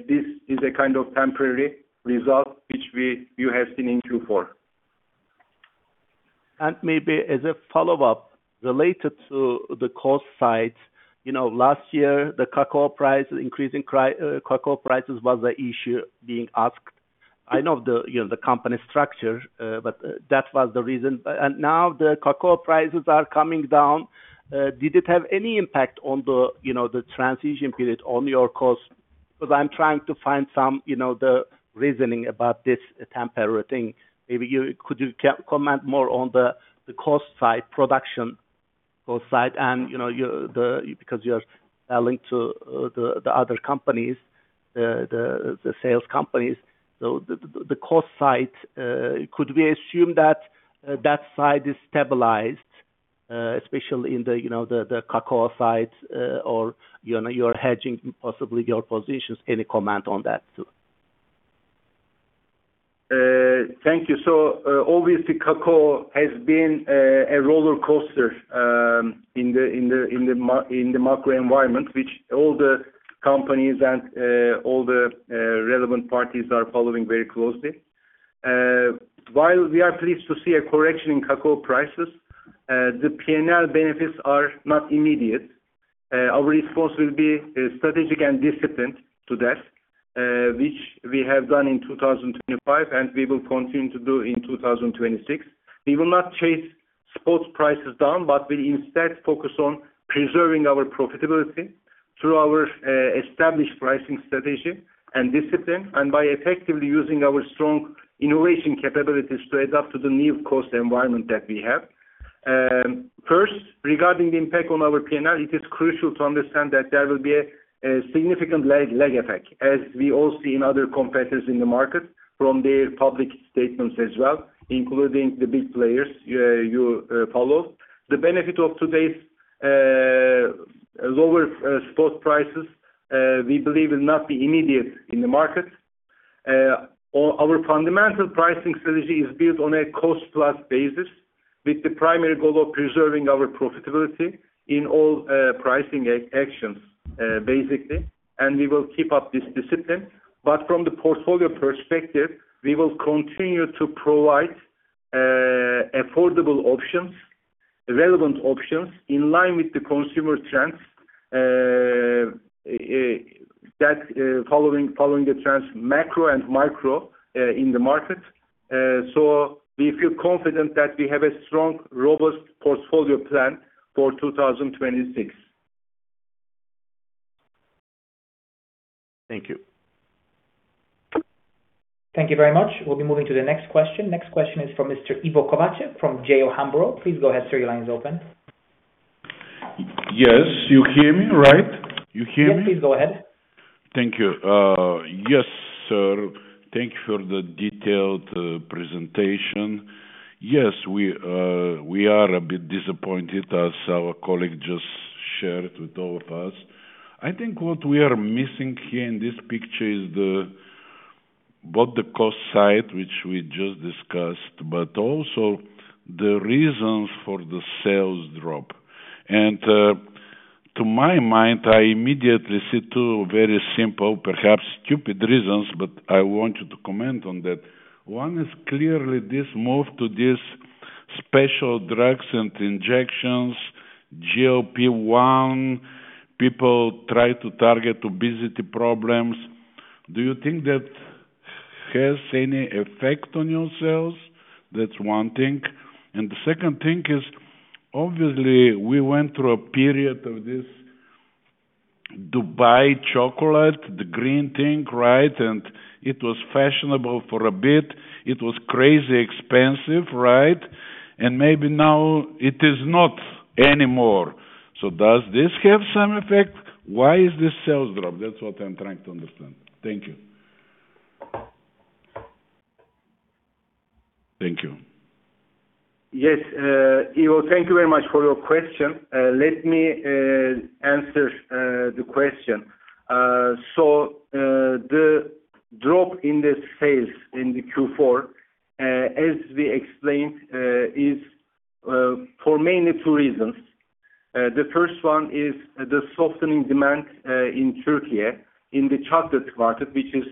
this is a kind of temporary result you have seen in Q4. Maybe as a follow-up related to the cost side. Last year the cocoa price, cocoa prices was the issue being asked. I know the company structure, but that was the reason. Now the cocoa prices are coming down. Did it have any impact on the transition period on your cost? Because I'm trying to find some the reasoning about this temporary thing. Maybe you could comment more on the cost side, production cost side and, you're the because you're selling to the other companies, the sales companies. So the cost side, could we assume that that side is stabilized, especially in the cocoa side, or, you're hedging possibly your positions. Any comment on that too? Thank you. Obviously cacao has been a roller coaster in the macro environment which all the companies and all the relevant parties are following very closely. While we are pleased to see a correction in cacao prices, the P&L benefits are not immediate. Our response will be strategic and disciplined to that, which we have done in 2025, and we will continue to do in 2026. We will not chase spot prices down, but we instead focus on preserving our profitability through our established pricing strategy and discipline, and by effectively using our strong innovation capabilities to adapt to the new cost environment that we have. First, regarding the impact on our P&L, it is crucial to understand that there will be a significant lag effect, as we all see in other competitors in the market from their public statements as well, including the big players you follow. The benefit of today's lower spot prices, we believe will not be immediate in the market. Our fundamental pricing strategy is built on a cost-plus basis, with the primary goal of preserving our profitability in all pricing actions, basically, and we will keep up this discipline. From the portfolio perspective, we will continue to provide affordable options, relevant options in line with the consumer trends that following the trends macro and micro in the market. We feel confident that we have a strong, robust portfolio plan for 2026. Thank you. Thank you very much. We'll be moving to the next question. Next question is from Mr. Ivo Kovachev from J O Hambro. Please go ahead, sir. Your line is open. Yes. You hear me right? You hear me? Yes, please go ahead. Thank you. Yes, sir. Thank you for the detailed presentation. Yes, we are a bit disappointed, as our colleague just shared with all of us. I think what we are missing here in this picture is the both the cost side, which we just discussed, but also the reasons for the sales drop. To my mind, I immediately see two very simple, perhaps stupid reasons, but I want you to comment on that. One is clearly this move to these special drugs and injections, GLP-1, people try to target obesity problems. Do you think that has any effect on your sales? That's one thing. The second thing is, obviously, we went through a period of this Dubai chocolate, the green thing, right? It was fashionable for a bit. It was crazy expensive, right? Maybe now it is not anymore. Does this have some effect? Why is this sales drop? That's what I'm trying to understand. Thank you. Thank you. Yes. Ivo, thank you very much for your question. Let me answer the question. The drop in the sales in the Q4, as we explained, is for mainly two reasons. The first one is the softening demand in Türkiye in the chocolate market, which is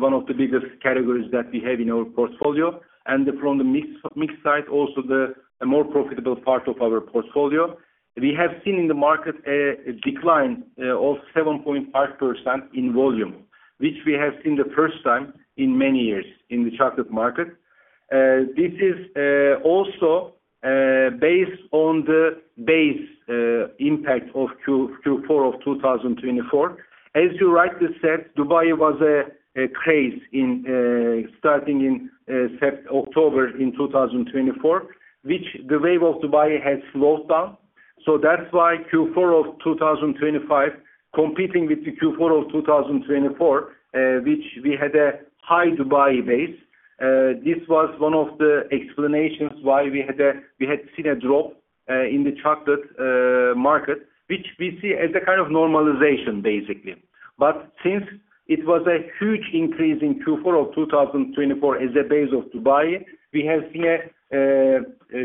one of the biggest categories that we have in our portfolio. And from the mix side also the more profitable part of our portfolio. We have seen in the market a decline of 7.5% in volume, which we have seen the first time in many years in the chocolate market. This is also based on the base impact of Q4 of 2024. As you rightly said, Dubai was a craze starting in September-October 2024, which the wave of Dubai has slowed down. That's why Q4 of 2025 competing with the Q4 of 2024, which we had a high Dubai base. This was one of the explanations why we had seen a drop in the chocolate market, which we see as a kind of normalization, basically. Since it was a huge increase in Q4 of 2024 as a base of Dubai, we have seen a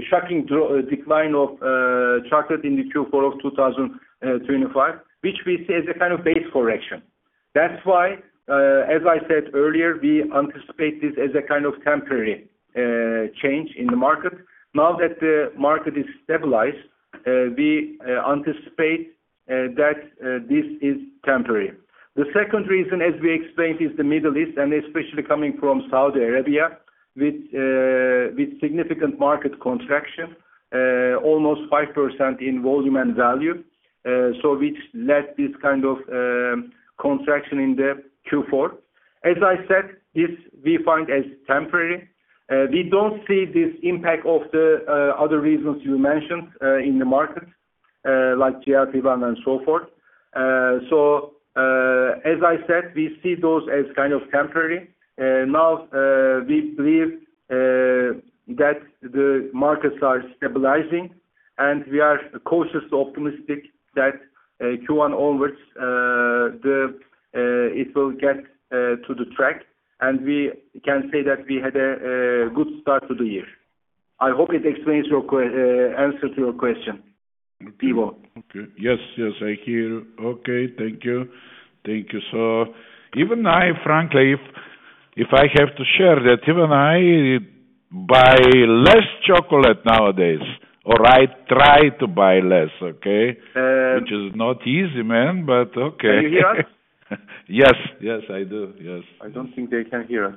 shocking decline of chocolate in the Q4 of 2025, which we see as a kind of base correction. That's why, as I said earlier, we anticipate this as a kind of temporary change in the market. Now that the market is stabilized, we anticipate that this is temporary. The second reason, as we explained, is the Middle East, and especially coming from Saudi Arabia with significant market contraction, almost 5% in volume and value. Which led this kind of contraction in the Q4. As I said, this we find as temporary. We don't see this impact of the other reasons you mentioned in the market, like GLP-1 and so forth. As I said, we see those as kind of temporary. Now, we believe that the markets are stabilizing, and we are cautiously optimistic that Q1 onwards, it will get to the track, and we can say that we had a good start to the year. I hope it explains your answer to your question, Ivo. Yes, I hear. Thank you. Even I frankly, if I have to share that even I buy less chocolate nowadays or I try to buy less, okay. Uh- Which is not easy, man, but okay. Are you here? Yes, I do. Yes. Yes. I don't think they can hear us.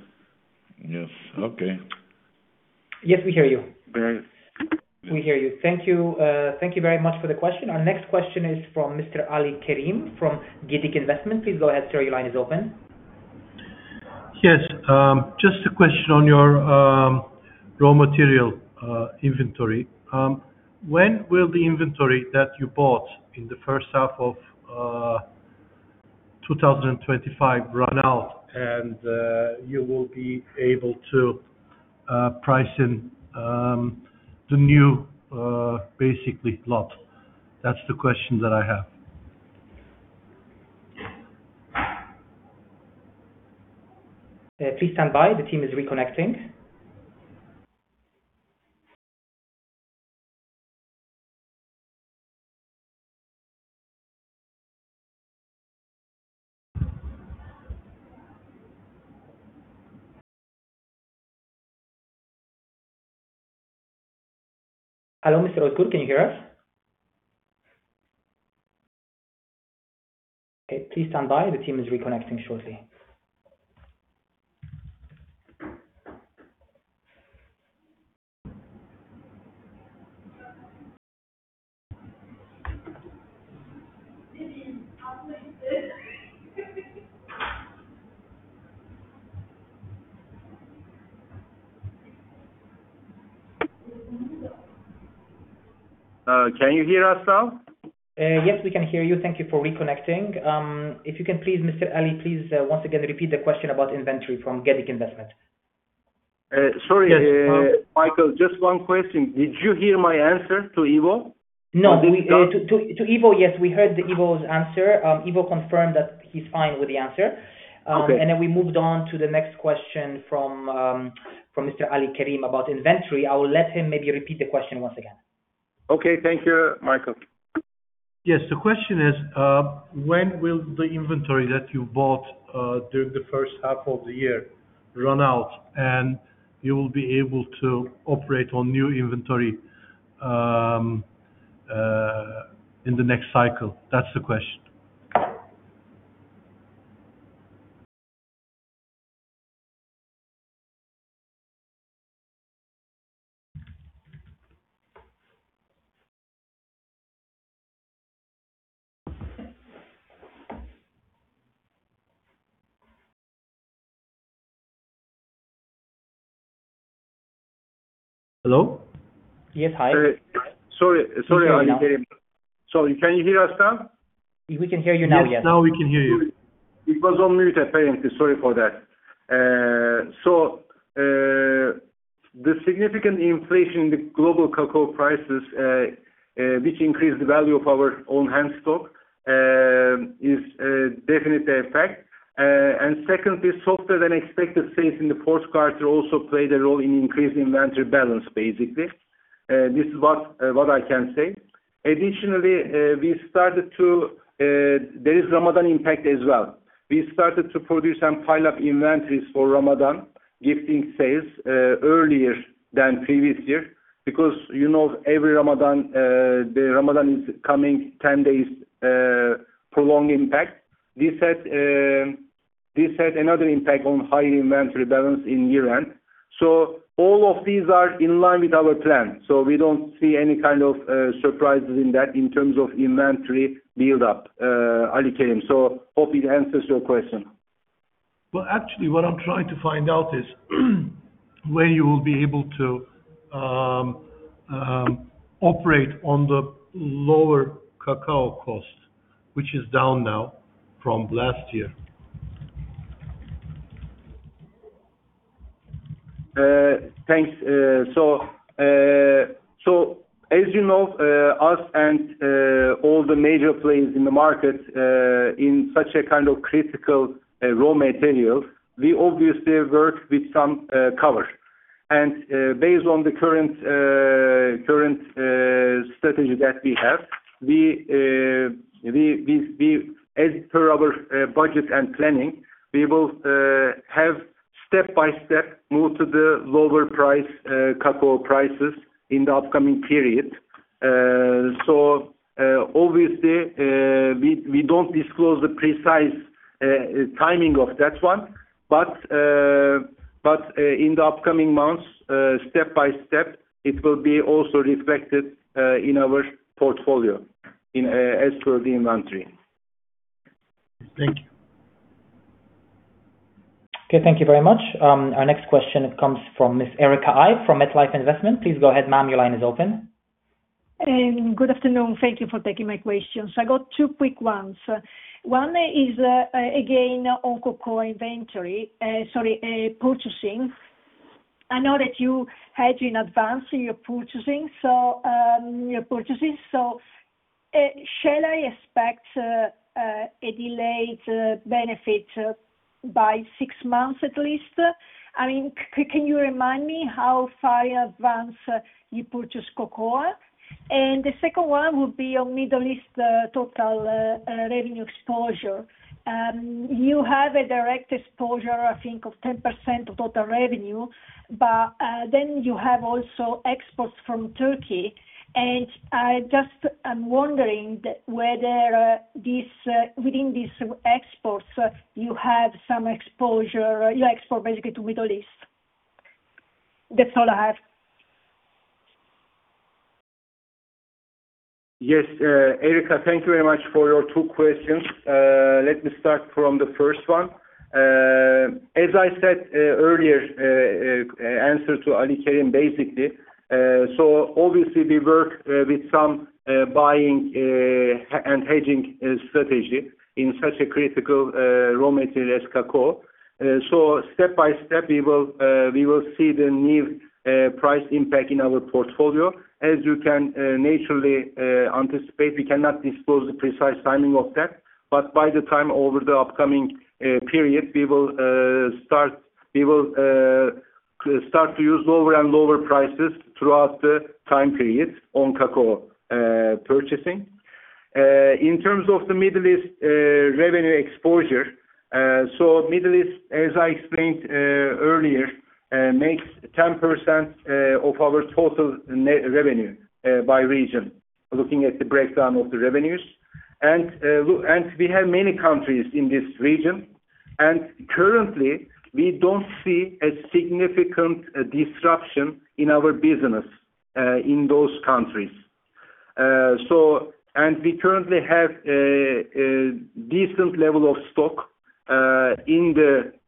Yes. Okay. Yes, we hear you. Great. We hear you. Thank you. Thank you very much for the question. Our next question is from Mr. Ali Kerim from Gedik Yatırım. Please go ahead, sir. Your line is open. Yes. Just a question on your raw material inventory. When will the inventory that you bought in the first half of 2025 run out and you will be able to price in the new basically lot? That's the question that I have. Please stand by. The team is reconnecting. Hello, Mr. Özgür. Can you hear us? Okay, please stand by. The team is reconnecting shortly. Can you hear us now? Yes, we can hear you. Thank you for reconnecting. If you can please, Mr. Ali, once again repeat the question about inventory from Gedik Yatırım. Sorry. Yes. Michael, just one question: Did you hear my answer to Ivo? No. To Ivo, yes. We heard Ivo's answer. Ivo confirmed that he's fine with the answer. Okay. We moved on to the next question from Mr. Ali Kerim about inventory. I will let him maybe repeat the question once again. Okay. Thank you, Michael. Yes. The question is, when will the inventory that you bought during the first half of the year run out, and you will be able to operate on new inventory in the next cycle? That's the question. Hello? Yes. Hi. Sorry. Sorry, Ali Kerim. Sorry, can you hear us now? We can hear you now, yes. Yes, now we can hear you. It was on mute, apparently. Sorry for that. The significant inflation in the global cocoa prices, which increased the value of our on-hand stock, is definitely a fact. Secondly, softer-than-expected sales in the fourth quarter also played a role in increasing inventory balance, basically. This is what I can say. Additionally, there is Ramadan impact as well. We started to produce some pileup inventories for Ramadan gifting sales earlier than previous year because, you know, every Ramadan, the Ramadan is coming 10 days earlier, prolonging the impact. This had another impact on higher inventory balance in year-end. All of these are in line with our plan, so we don't see any kind of surprises in that in terms of inventory buildup, Ali Kerim.Hope it answers your question. Well, actually, what I'm trying to find out is when you will be able to operate on the lower cacao cost, which is down now from last year. Thanks. As you know, us and all the major players in the market in such a kind of critical raw material, we obviously work with some cover. Based on the current strategy that we have, we, as per our budget and planning, will have step-by-step move to the lower price cacao prices in the upcoming period. Obviously, we don't disclose the precise timing of that one. In the upcoming months, step by step, it will be also reflected in our portfolio, as per the inventory. Thank you. Okay, thank you very much. Our next question comes from Miss Erica Ive from MetLife Investment Management. Please go ahead, ma'am, your line is open. Good afternoon. Thank you for taking my questions. I got two quick ones. One is again on cocoa purchasing. I know that you hedge in advance in your purchasing, so shall I expect a delayed benefit by six months at least? I mean, can you remind me how far in advance you purchase cocoa? The second one would be on Middle East total revenue exposure. You have a direct exposure, I think, of 10% of total revenue, but then you have also exports from Turkey. I just I'm wondering whether this within these exports, you have some exposure, you export basically to Middle East. That's all I have. Yes, Erica, thank you very much for your two questions. Let me start from the first one. As I said earlier, answer to Ali Kerim, basically. Obviously we work with some buying and hedging strategy in such a critical raw material as cacao. Step by step, we will see the new price impact in our portfolio. As you can naturally anticipate, we cannot disclose the precise timing of that. By the time over the upcoming period, we will start to use lower and lower prices throughout the time period on cacao purchasing. In terms of the Middle East revenue exposure. Middle East, as I explained earlier, makes 10% of our total revenue by region, looking at the breakdown of the revenues. We have many countries in this region, and currently, we don't see a significant disruption in our business in those countries. We currently have a decent level of stock in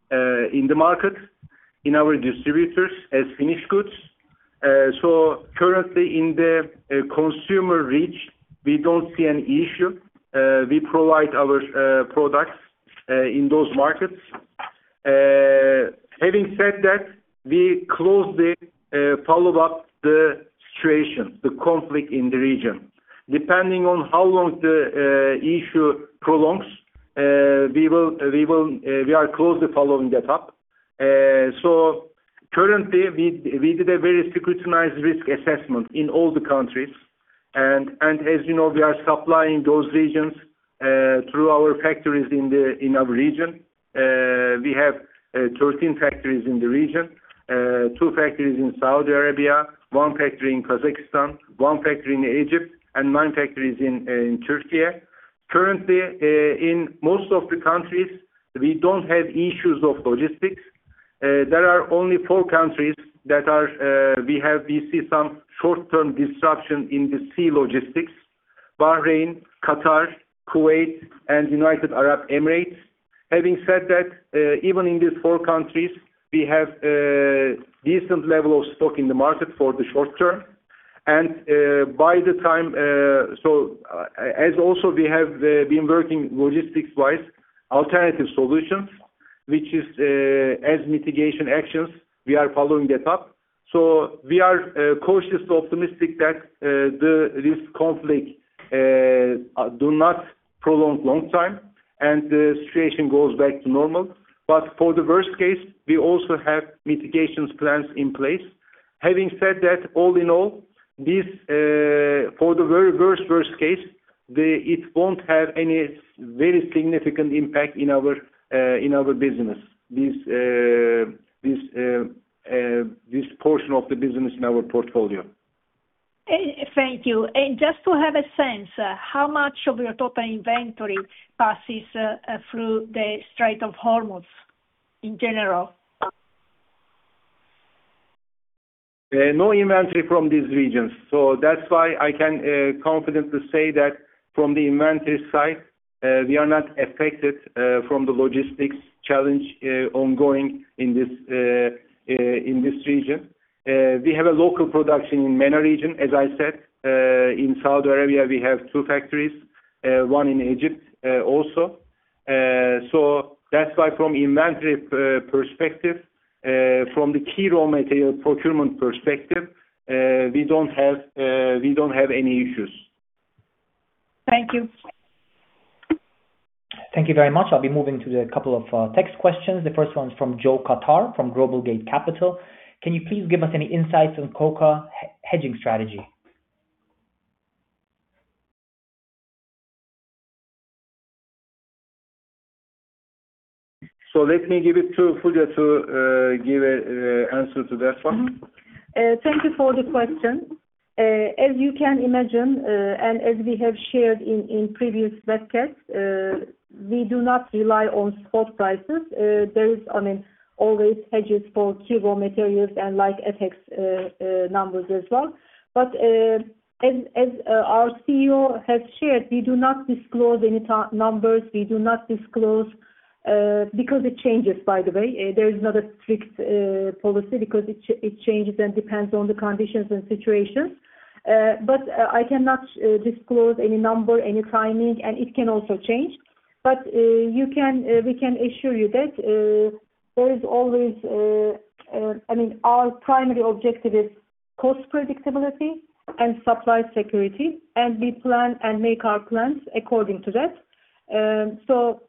the market, in our distributors as finished goods. Currently in the consumer reach, we don't see an issue. We provide our products in those markets. Having said that, we closely follow up the situation, the conflict in the region. Depending on how long the issue prolongs, we are closely following that up. Currently we did a very scrutinized risk assessment in all the countries. As you know, we are supplying those regions through our factories in our region. We have 13 factories in the region. Two factories in Saudi Arabia, one factory in Kazakhstan, one factory in Egypt, and nine factories in Turkey. Currently, in most of the countries, we don't have issues of logistics. There are only four countries that we see some short-term disruption in the sea logistics. Bahrain, Qatar, Kuwait, and United Arab Emirates. Having said that, even in these four countries, we have a decent level of stock in the market for the short term. By the time... As also we have been working logistics-wise alternative solutions, which is as mitigation actions, we are following that up. We are cautiously optimistic that this conflict do not prolong long time and the situation goes back to normal. For the worst case, we also have mitigation plans in place. Having said that, all in all, this for the very worst case, it won't have any very significant impact in our business. This portion of the business in our portfolio. Thank you. Just to have a sense, how much of your total inventory passes through the Strait of Hormuz in general? No inventory from these regions. That's why I can confidently say that from the inventory side, we are not affected from the logistics challenge ongoing in this region. We have a local production in MENA region. As I said, in Saudi Arabia, we have two factories, one in Egypt, also. That's why from inventory perspective, from the key raw material procurement perspective, we don't have any issues. Thank you. Thank you very much. I'll be moving to a couple of text questions. The first one is from Joe Kattar from Global Gate Capital. Can you please give us any insights on cocoa hedging strategy? Let me give it to Fulya to give an answer to that one. Mm-hmm. Thank you for the question. As you can imagine, and as we have shared in previous webcasts, we do not rely on spot prices. There is, I mean, always hedges for key raw materials and like FX numbers as well. As our CEO has shared, we do not disclose any numbers. We do not disclose because it changes by the way. There is not a strict policy because it changes and depends on the conditions and situations. I cannot disclose any number, any timing, and it can also change. We can assure you that there is always I mean, our primary objective is cost predictability and supply security, and we plan and make our plans according to that.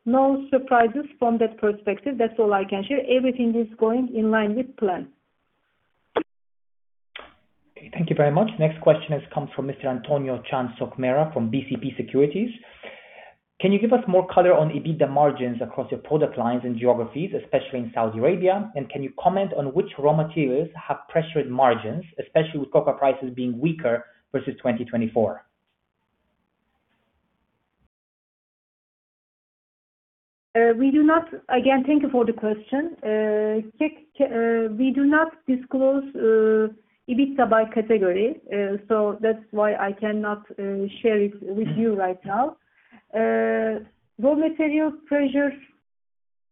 No surprises from that perspective. That's all I can share. Everything is going in line with plan. Okay. Thank you very much. Next question has come from Mr. Antonio Chan Sokmera from BCP Securities. Can you give us more color on EBITDA margins across your product lines and geographies, especially in Saudi Arabia? And can you comment on which raw materials have pressured margins, especially with cocoa prices being weaker versus 2024? Again, thank you for the question. We do not disclose EBITDA by category, so that's why I cannot share it with you right now. Raw material pressures,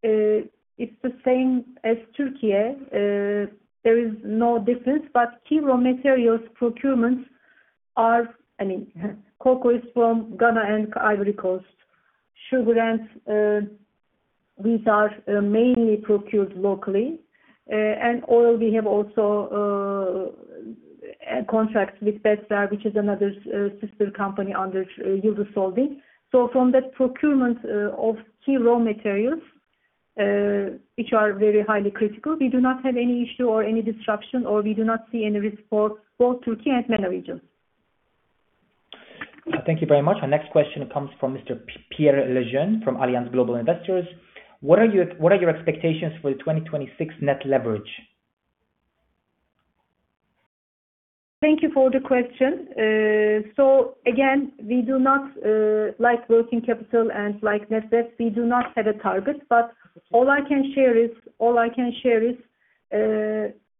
it's the same as Türkiye. There is no difference, but key raw materials procurements are, I mean, cocoa is from Ghana and Ivory Coast. Sugar and these are mainly procured locally. And oil, we have also a contract with Besler which is another sister company under Yıldız Holding. From that procurement of key raw materials, which are very highly critical, we do not have any issue or any disruption, or we do not see any risk for both Türkiye and MENA region. Thank you very much. Our next question comes from Mr. Pierre Lejeune from Allianz Global Investors. What are your expectations for the 2026 net leverage? Thank you for the question. Again, we do not like working capital and like net debt, we do not have a target. All I can share is,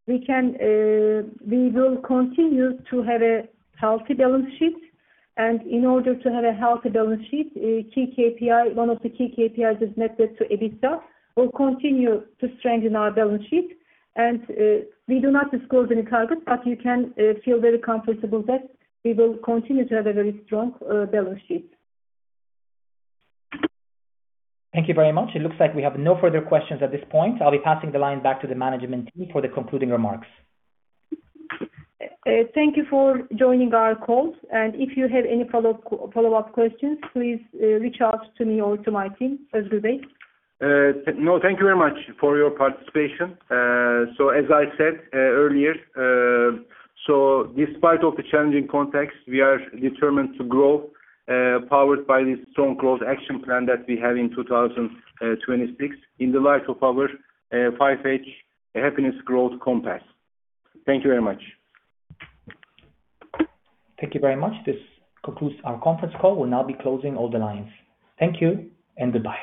we will continue to have a healthy balance sheet. In order to have a healthy balance sheet, one of the key KPIs is net debt to EBITDA. We'll continue to strengthen our balance sheet. We do not disclose any target, but you can feel very comfortable that we will continue to have a very strong balance sheet. Thank you very much. It looks like we have no further questions at this point. I'll be passing the line back to the management team for the concluding remarks. Thank you for joining our call. If you have any follow-up questions, please reach out to me or to my team every day. No, thank you very much for your participation. As I said earlier, despite of the challenging context, we are determined to grow, powered by this strong growth action plan that we have in 2026 in the light of our Five H Happiness Growth Model. Thank you very much. Thank you very much. This concludes our conference call. We'll now be closing all the lines. Thank you and goodbye.